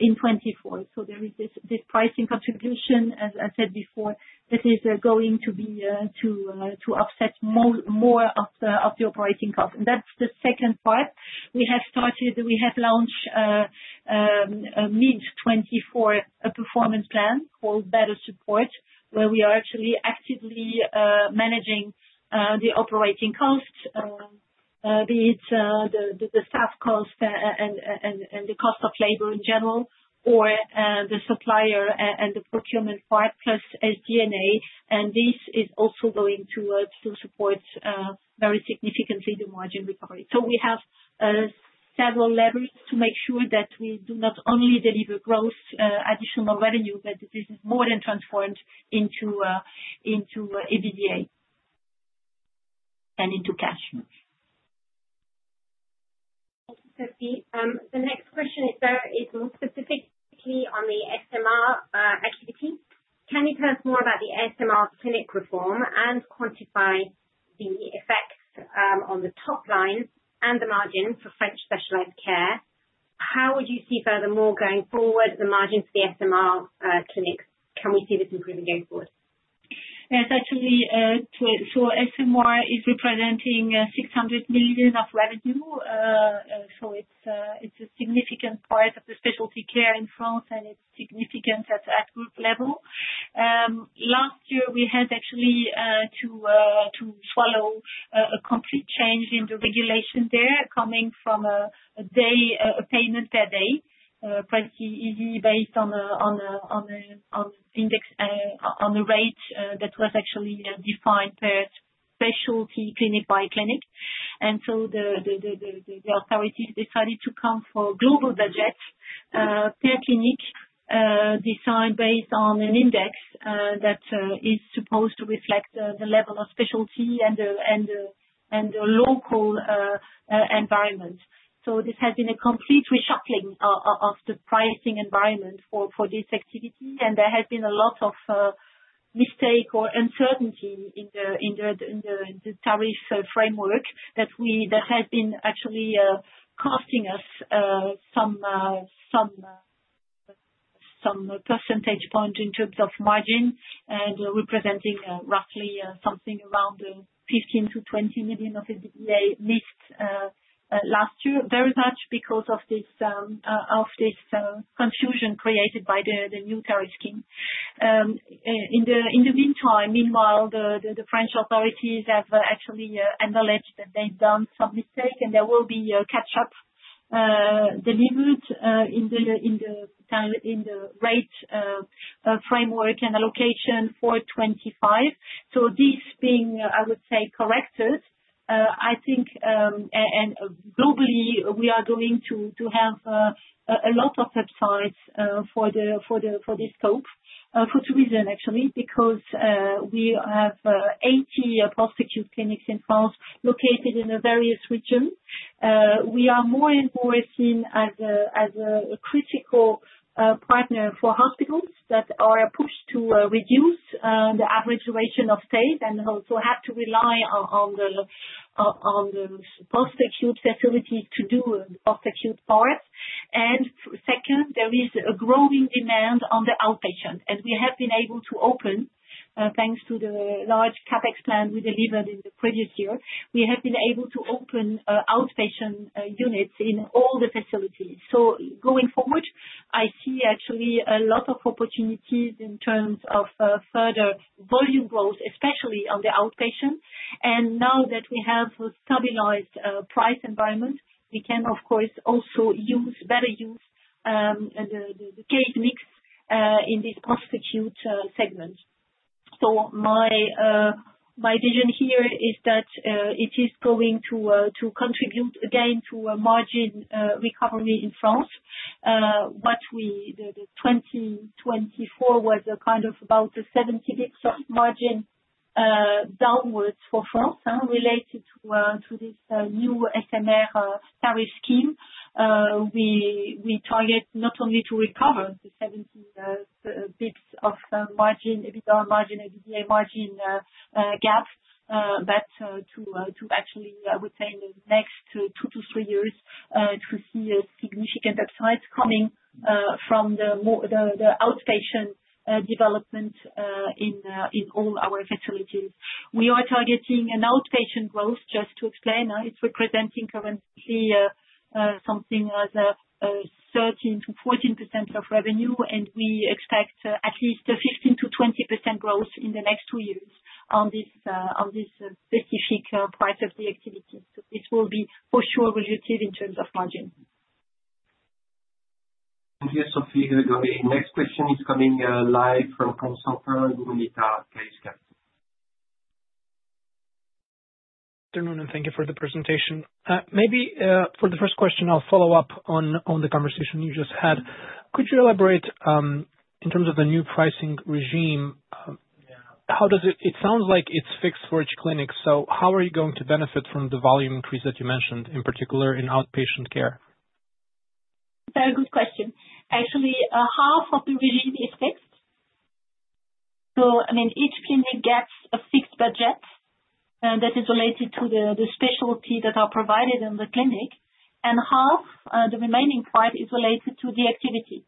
in 2024. There is this pricing contribution, as I said before, that is going to be to offset more of the operating cost. That's the second part. We have launched mid-2024 a performance plan called Better Support, where we are actually actively managing the operating cost, be it the staff cost and the cost of labor in general, or the supplier and the procurement part, plus SG&A. This is also going to support very significantly the margin recovery. We have several levers to make sure that we do not only deliver growth, additional revenue, but this is more than transformed into EBITDA and into cash. Thank you, Sophie. The next question is specifically on the SMR activity. Can you tell us more about the SMR clinic reform and quantify the effects on the top line and the margin for French specialized care? How would you see furthermore going forward the margin for the SMR clinics? Can we see this improving going forward? Yes, actually, SMR is representing 600 million of revenue. So, it's a significant part of the specialty care in France, and it's significant at group level. Last year, we had actually to swallow a complete change in the regulation there coming from a payment per day, pretty easy based on the index on the rate that was actually defined per specialty clinic by clinic. And so, the authorities decided to come for global budget per clinic design based on an index that is supposed to reflect the level of specialty and the local environment. So, this has been a complete reshuffling of the pricing environment for this activity. There has been a lot of mistakes or uncertainty in the tariff framework that has been actually costing us some percentage points in terms of margin and representing roughly something around 15 to 20 million of EBITDA missed last year, very much because of this confusion created by the new tariff scheme. In the meantime, the French authorities have actually acknowledged that they've done some mistakes, and there will be a catch-up delivered in the rate framework and allocation for 2025. This being, I would say, corrected, I think, and globally, we are going to have a lot of upsides for this scope, for two reasons, actually, because we have 80 post-acute clinics in France located in various regions. We are more and more seen as a critical partner for hospitals that are pushed to reduce the average duration of stay and also have to rely on the post-acute facilities to do post-acute parts. And second, there is a growing demand on the outpatient. And we have been able to open, thanks to the large CapEx plan we delivered in the previous year, we have been able to open outpatient units in all the facilities. So, going forward, I see actually a lot of opportunities in terms of further volume growth, especially on the outpatient. And now that we have a stabilized price environment, we can, of course, also better use the case mix in this post-acute segment. So, my vision here is that it is going to contribute again to a margin recovery in France. The 2024 was kind of about 70 bps of margin downwards for France related to this new SMR tariff scheme. We target not only to recover the 70 bps of margin, EBITDA margin, EBITDA margin gap, but to actually, I would say, in the next two to three years, to see significant upsides coming from the outpatient development in all our facilities. We are targeting an outpatient growth, just to explain. It's representing currently something as a 13% to 14% of revenue, and we expect at least 15% to 20% growth in the next two years on this specific part of the activity. So, this will be for sure relative in terms of margin. Thank you, Sophie, Grégory. Next question is coming live from François Perrin, Groupe HLD. Good afternoon, and thank you for the presentation. Maybe for the first question, I'll follow up on the conversation you just had. Could you elaborate in terms of the new pricing regime? It sounds like it's fixed for each clinic. So, how are you going to benefit from the volume increase that you mentioned, in particular in outpatient care? Very good question. Actually, half of the regime is fixed. So, I mean, each clinic gets a fixed budget that is related to the specialties that are provided in the clinic, and half, the remaining part, is related to the activity.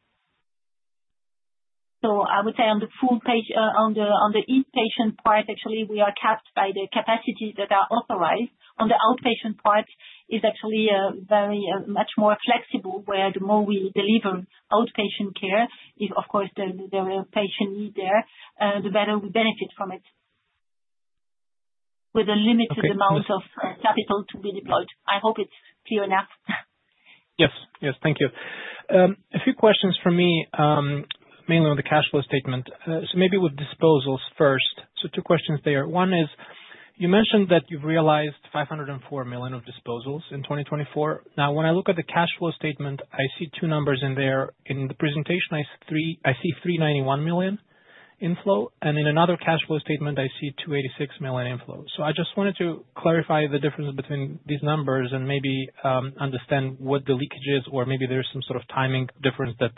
So, I would say on the inpatient part, actually, we are capped by the capacities that are authorized. On the outpatient part, it's actually much more flexible, where the more we deliver outpatient care, of course, the patients need there, the better we benefit from it with a limited amount of capital to be deployed. I hope it's clear enough. Yes. Yes. Thank you. A few questions for me, mainly on the cash flow statement. So, maybe with disposals first. So, two questions there. One is, you mentioned that you've realized 504 million of disposals in 2024. Now, when I look at the cash flow statement, I see two numbers in there. In the presentation, I see 391 million inflow, and in another cash flow statement, I see 286 million inflow. So, I just wanted to clarify the difference between these numbers and maybe understand what the leakage is, or maybe there's some sort of timing difference that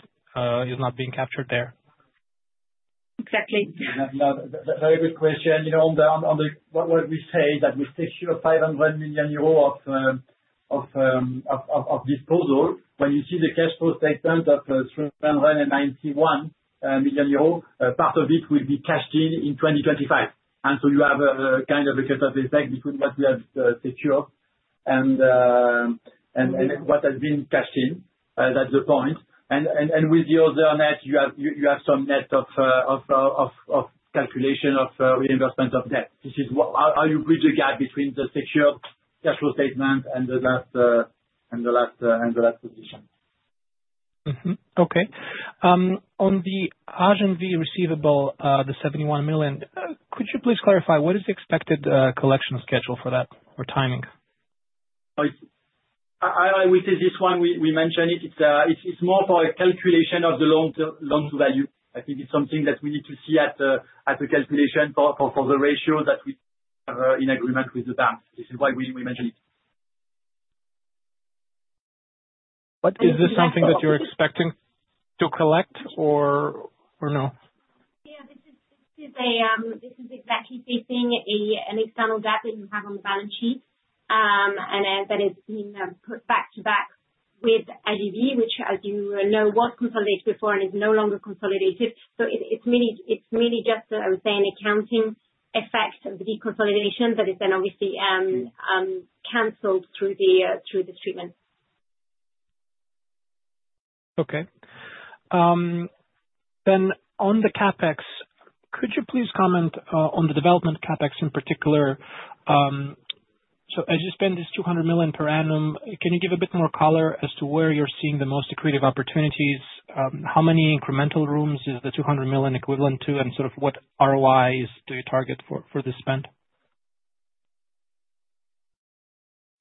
is not being captured there. Exactly. Very good question. On what we say that we secure 500 million euro of disposal, when you see the cash flow statement of 391 million euro, part of it will be cashed in in 2025. You have a kind of a cut-off effect between what we have secured and what has been cashed in. That's the point. And with the other net, you have some net of calculation of reimbursement of debt. This is how you bridge the gap between the secured cash flow statement and the last position. Okay. On the AGV receivable, the 71 million, could you please clarify what is the expected collection schedule for that or timing? I will say this one, we mentioned it. It's more for a calculation of the loan-to-value. I think it's something that we need to see at the calculation for the ratio that we have in agreement with the bank. This is why we mentioned it. Is this something that you're expecting to collect or no? Yeah, this is exactly fitting an external gap that you have on the balance sheet, and that is being put back to back with Ages & Vie, which, as you know, was consolidated before and is no longer consolidated. So, it's really just, I would say, an accounting effect of the consolidation that is then obviously canceled through this treatment. Okay. Then, on the CapEx, could you please comment on the development CapEx in particular? So, as you spend this 200 million per annum, can you give a bit more color as to where you're seeing the most accretive opportunities? How many incremental rooms is the 200 million equivalent to, and sort of what ROIs do you target for this spend?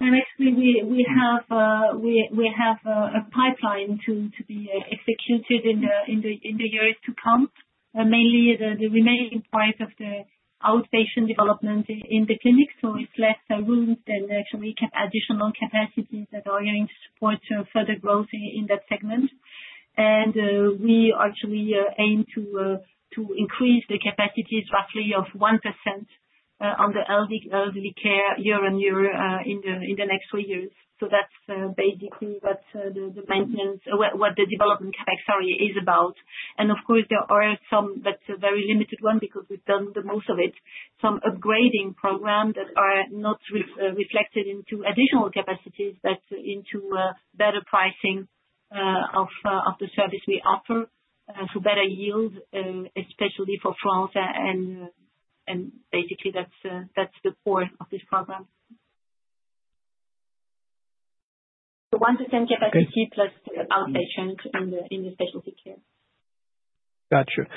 Actually, we have a pipeline to be executed in the years to come, mainly the remaining part of the outpatient development in the clinic. It's less rooms than actually additional capacities that are going to support further growth in that segment. And we actually aim to increase the capacities roughly of 1% on the elderly care year on year in the next three years. So, that's basically what the development CapEx, sorry, is about. And of course, there are some, but very limited ones because we've done the most of it, some upgrading programs that are not reflected into additional capacities, but into better pricing of the service we offer for better yield, especially for France. And basically, that's the core of this program. So, 1% capacity plus outpatient in the specialty care. Gotcha.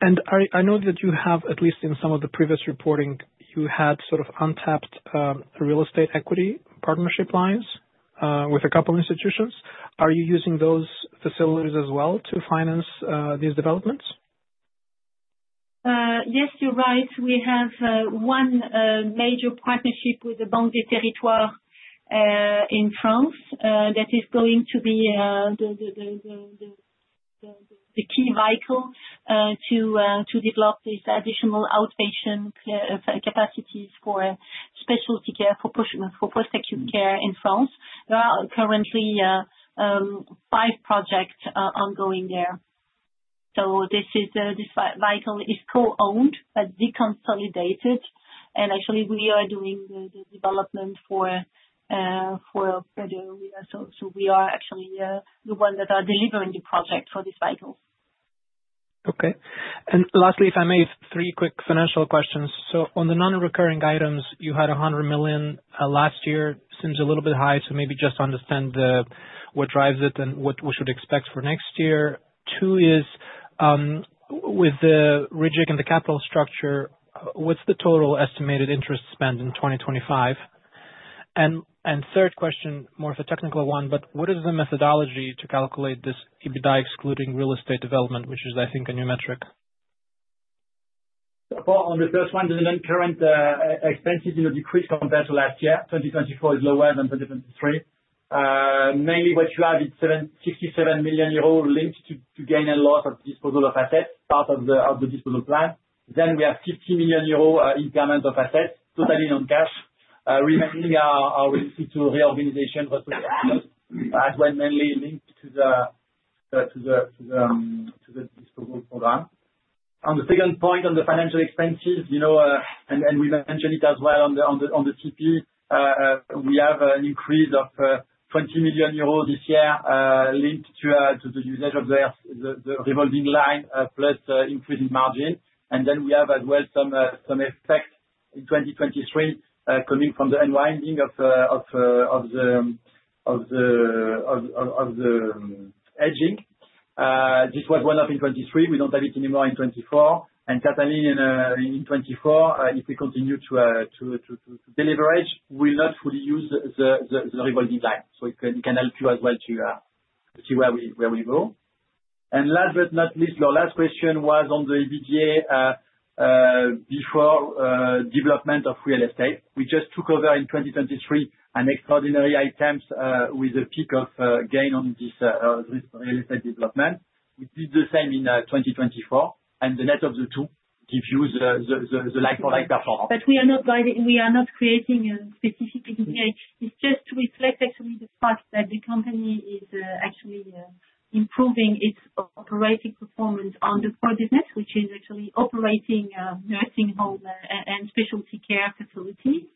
And I know that you have, at least in some of the previous reporting, you had sort of untapped real estate equity partnership lines with a couple of institutions. Are you using those facilities as well to finance these developments? Yes, you're right. We have one major partnership with the Banque des Territoires in France that is going to be the key vehicle to develop these additional outpatient capacities for specialty care, for post-acute care in France. There are currently five projects ongoing there. So, this vehicle is co-owned, but de-consolidated. And actually, we are doing the development for the—so we are actually the ones that are delivering the project for this vehicle. Okay. And lastly, if I may, three quick financial questions. So, on the non-recurring items, you had 100 million last year. Seems a little bit high, so maybe just understand what drives it and what we should expect for next year. Two is, with the recap and the capital structure, what's the total estimated interest spend in 2025? Third question, more of a technical one, but what is the methodology to calculate this EBITDA excluding real estate development, which is, I think, a new metric? On the first one, the non-current expenses decreased compared to last year. 2024 is lower than 2023. Mainly, what you have is 67 million euro linked to gain and loss of disposal of assets, part of the disposal plan. Then we have 50 million euro impairment of assets, totally non-cash. Remaining are linked to reorganization as well, mainly linked to the disposal program. On the second point, on the financial expenses, and we mentioned it as well on the TP, we have an increase of 20 million euros this year linked to the usage of the revolving line plus increasing margin. Then we have as well some effect in 2023 coming from the unwinding of the hedging. This was one up in 2023. We don't have it anymore in 2024, and certainly in 2024, if we continue to deleverage, we'll not fully use the revolving line. So, it can help you as well to see where we go, and last but not least, your last question was on the EBITDA before development of real estate. We just took over in 2023 an extraordinary item with a peak of gain on this real estate development. We did the same in 2024, and the net of the two gives you the like-for-like performance. But we are not creating a specific EBITDA. It's just to reflect actually the fact that the company is actually improving its operating performance on the core business, which is actually operating nursing home and specialty care facilities.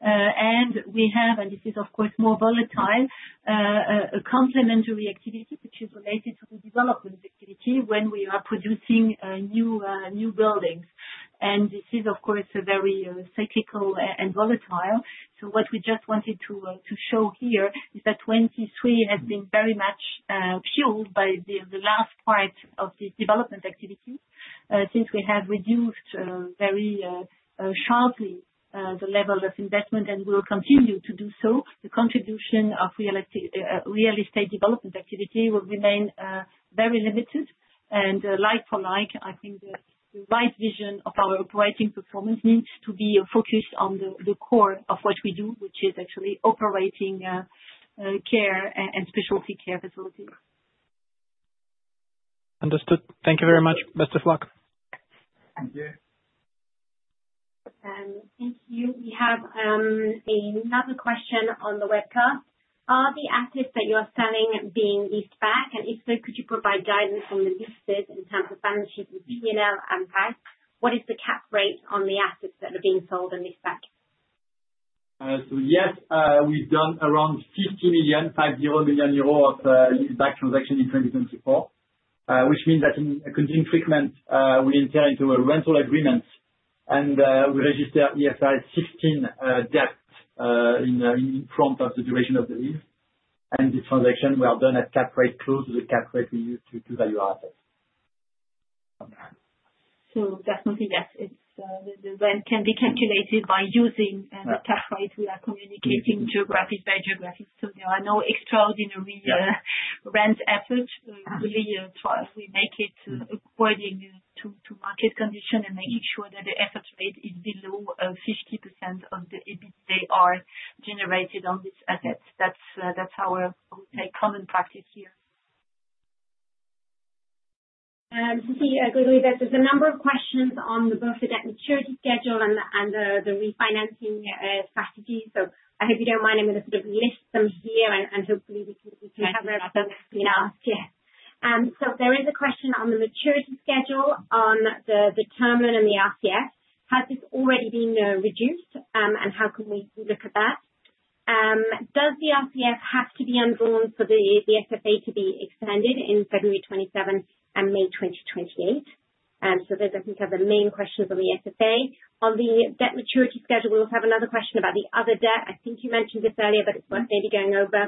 And we have, and this is, of course, more volatile, a complementary activity which is related to the development activity when we are producing new buildings. And this is, of course, very cyclical and volatile. So, what we just wanted to show here is that 2023 has been very much fueled by the last part of this development activity since we have reduced very sharply the level of investment and will continue to do so. The contribution of real estate development activity will remain very limited. And like-for-like, I think the right vision of our operating performance needs to be focused on the core of what we do, which is actually operating care and specialty care facilities. Understood. Thank you very much. Best of luck. Thank you. Thank you. We have another question on the webcast. Are the assets that you are selling being leased back? And if so, could you provide guidance on the leases in terms of balance sheet and P&L and price? What is the cap rate on the assets that are being sold and leased back? So, yes, we've done around 50 million, 50 million euro of leased back transactions in 2024, which means that in the continuing treatment, we enter into a rental agreement, and we register IFRS 16 debt in front of the duration of the lease. And these transactions were done at cap rate close to the cap rate we use to value our assets. So, definitely, yes, the rent can be calculated by using the cap rate we are communicating geographic by geographic. So, there are no extraordinary rent efforts. We make it according to market condition and making sure that the effort rate is below 50% of the EBITDA generated on these assets. That's our, I would say, common practice here. Sophie, Grégory, there's a number of questions on both the debt maturity schedule and the refinancing strategy. So, I hope you don't mind. I'm going to sort of list them here, and hopefully, we can cover them as soon as asked. Yes. So, there is a question on the maturity schedule on the term loan and the RCF. Has this already been reduced, and how can we look at that? Does the RCF have to be undrawn for the SFA to be extended in February 2027 and May 2028? So, those I think are the main questions on the SFA. On the debt maturity schedule, we also have another question about the other debt. I think you mentioned this earlier, but it's worth maybe going over.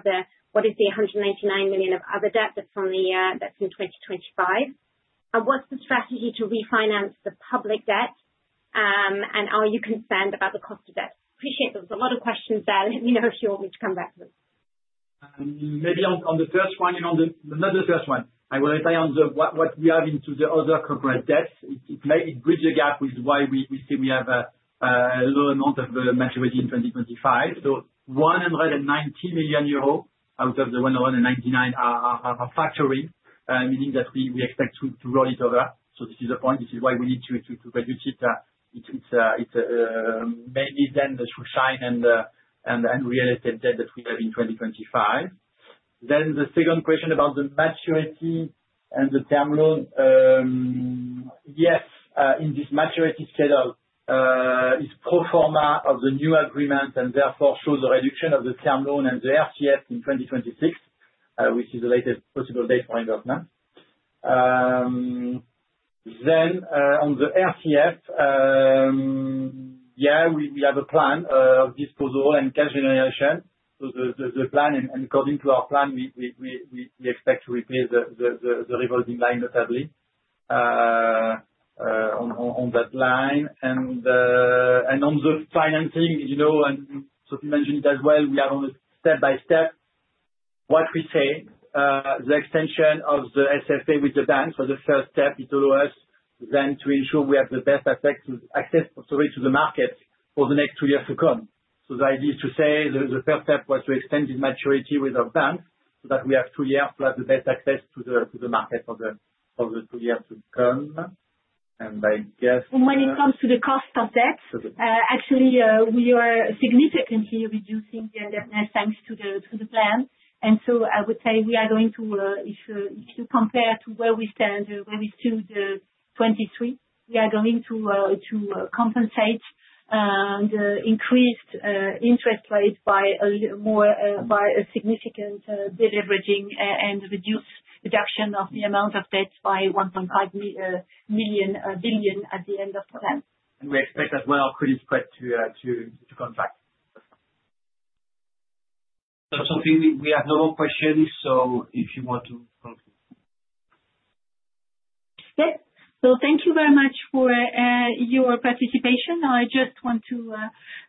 What is the 189 million of other debt that's in 2025? What's the strategy to refinance the public debt, and are you concerned about the cost of debt? I appreciate there was a lot of questions there. Let me know if you want me to come back to them. Maybe on the first one, not the first one. I will reply on what we have into the other corporate debts. It bridges a gap with why we see we have a low amount of maturity in 2025. 190 million euros out of the 199 million are factoring, meaning that we expect to roll it over. This is the point. This is why we need to reduce it. It's mainly then the Schuldschein and real estate debt that we have in 2025. Then the second question about the maturity and the term loan, yes, in this maturity schedule, it's pro forma of the new agreement and therefore shows a reduction of the term loan and the RCF in 2026, which is the latest possible date for investment. Then, on the RCF, yeah, we have a plan of disposal and cash generation. So, the plan, and according to our plan, we expect to replace the revolving line notably on that line. And on the financing, Sophie mentioned it as well, we have on the step-by-step, what we say, the extension of the SFA with the bank for the first step, it allows us then to ensure we have the best access to the market for the next two years to come. So, the idea is to say the first step was to extend this maturity with our bank so that we have two years plus the best access to the market for the two years to come. And I guess. And when it comes to the cost of debt, actually, we are significantly reducing the leverage thanks to the plan. And so, I would say we are going to, if you compare to where we stand, where we stood 2023, we are going to compensate the increased interest rate by a significant deleveraging and reduction of the amount of debt by 1.5 billion EUR at the end of the plan. And we expect as well credit spread to contract. Sophie, we have no more questions, so if you want to continue. Yes. So, thank you very much for your participation. I just want to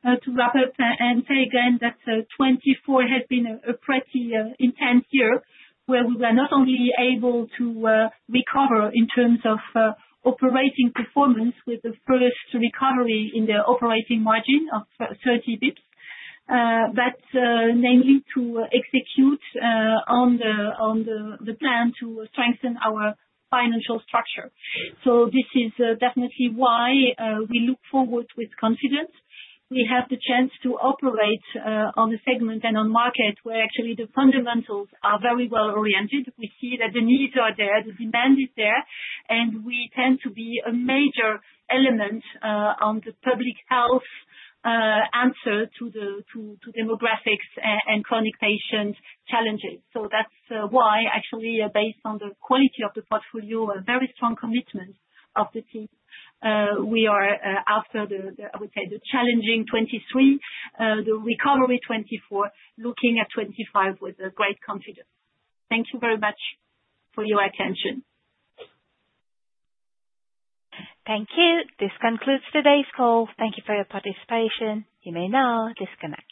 wrap up and say again that 2024 has been a pretty intense year where we were not only able to recover in terms of operating performance with the first recovery in the operating margin of 30 bps, but mainly to execute on the plan to strengthen our financial structure. So, this is definitely why we look forward with confidence. We have the chance to operate on a segment and on market where actually the fundamentals are very well oriented. We see that the needs are there, the demand is there, and we tend to be a major element on the public health answer to demographics and chronic patient challenges. So, that's why, actually, based on the quality of the portfolio and very strong commitment of the team, we are after, I would say, the challenging 2023, the recovery 2024, looking at 2025 with great confidence. Thank you very much for your attention. Thank you. This concludes today's call. Thank you for your participation. You may now disconnect.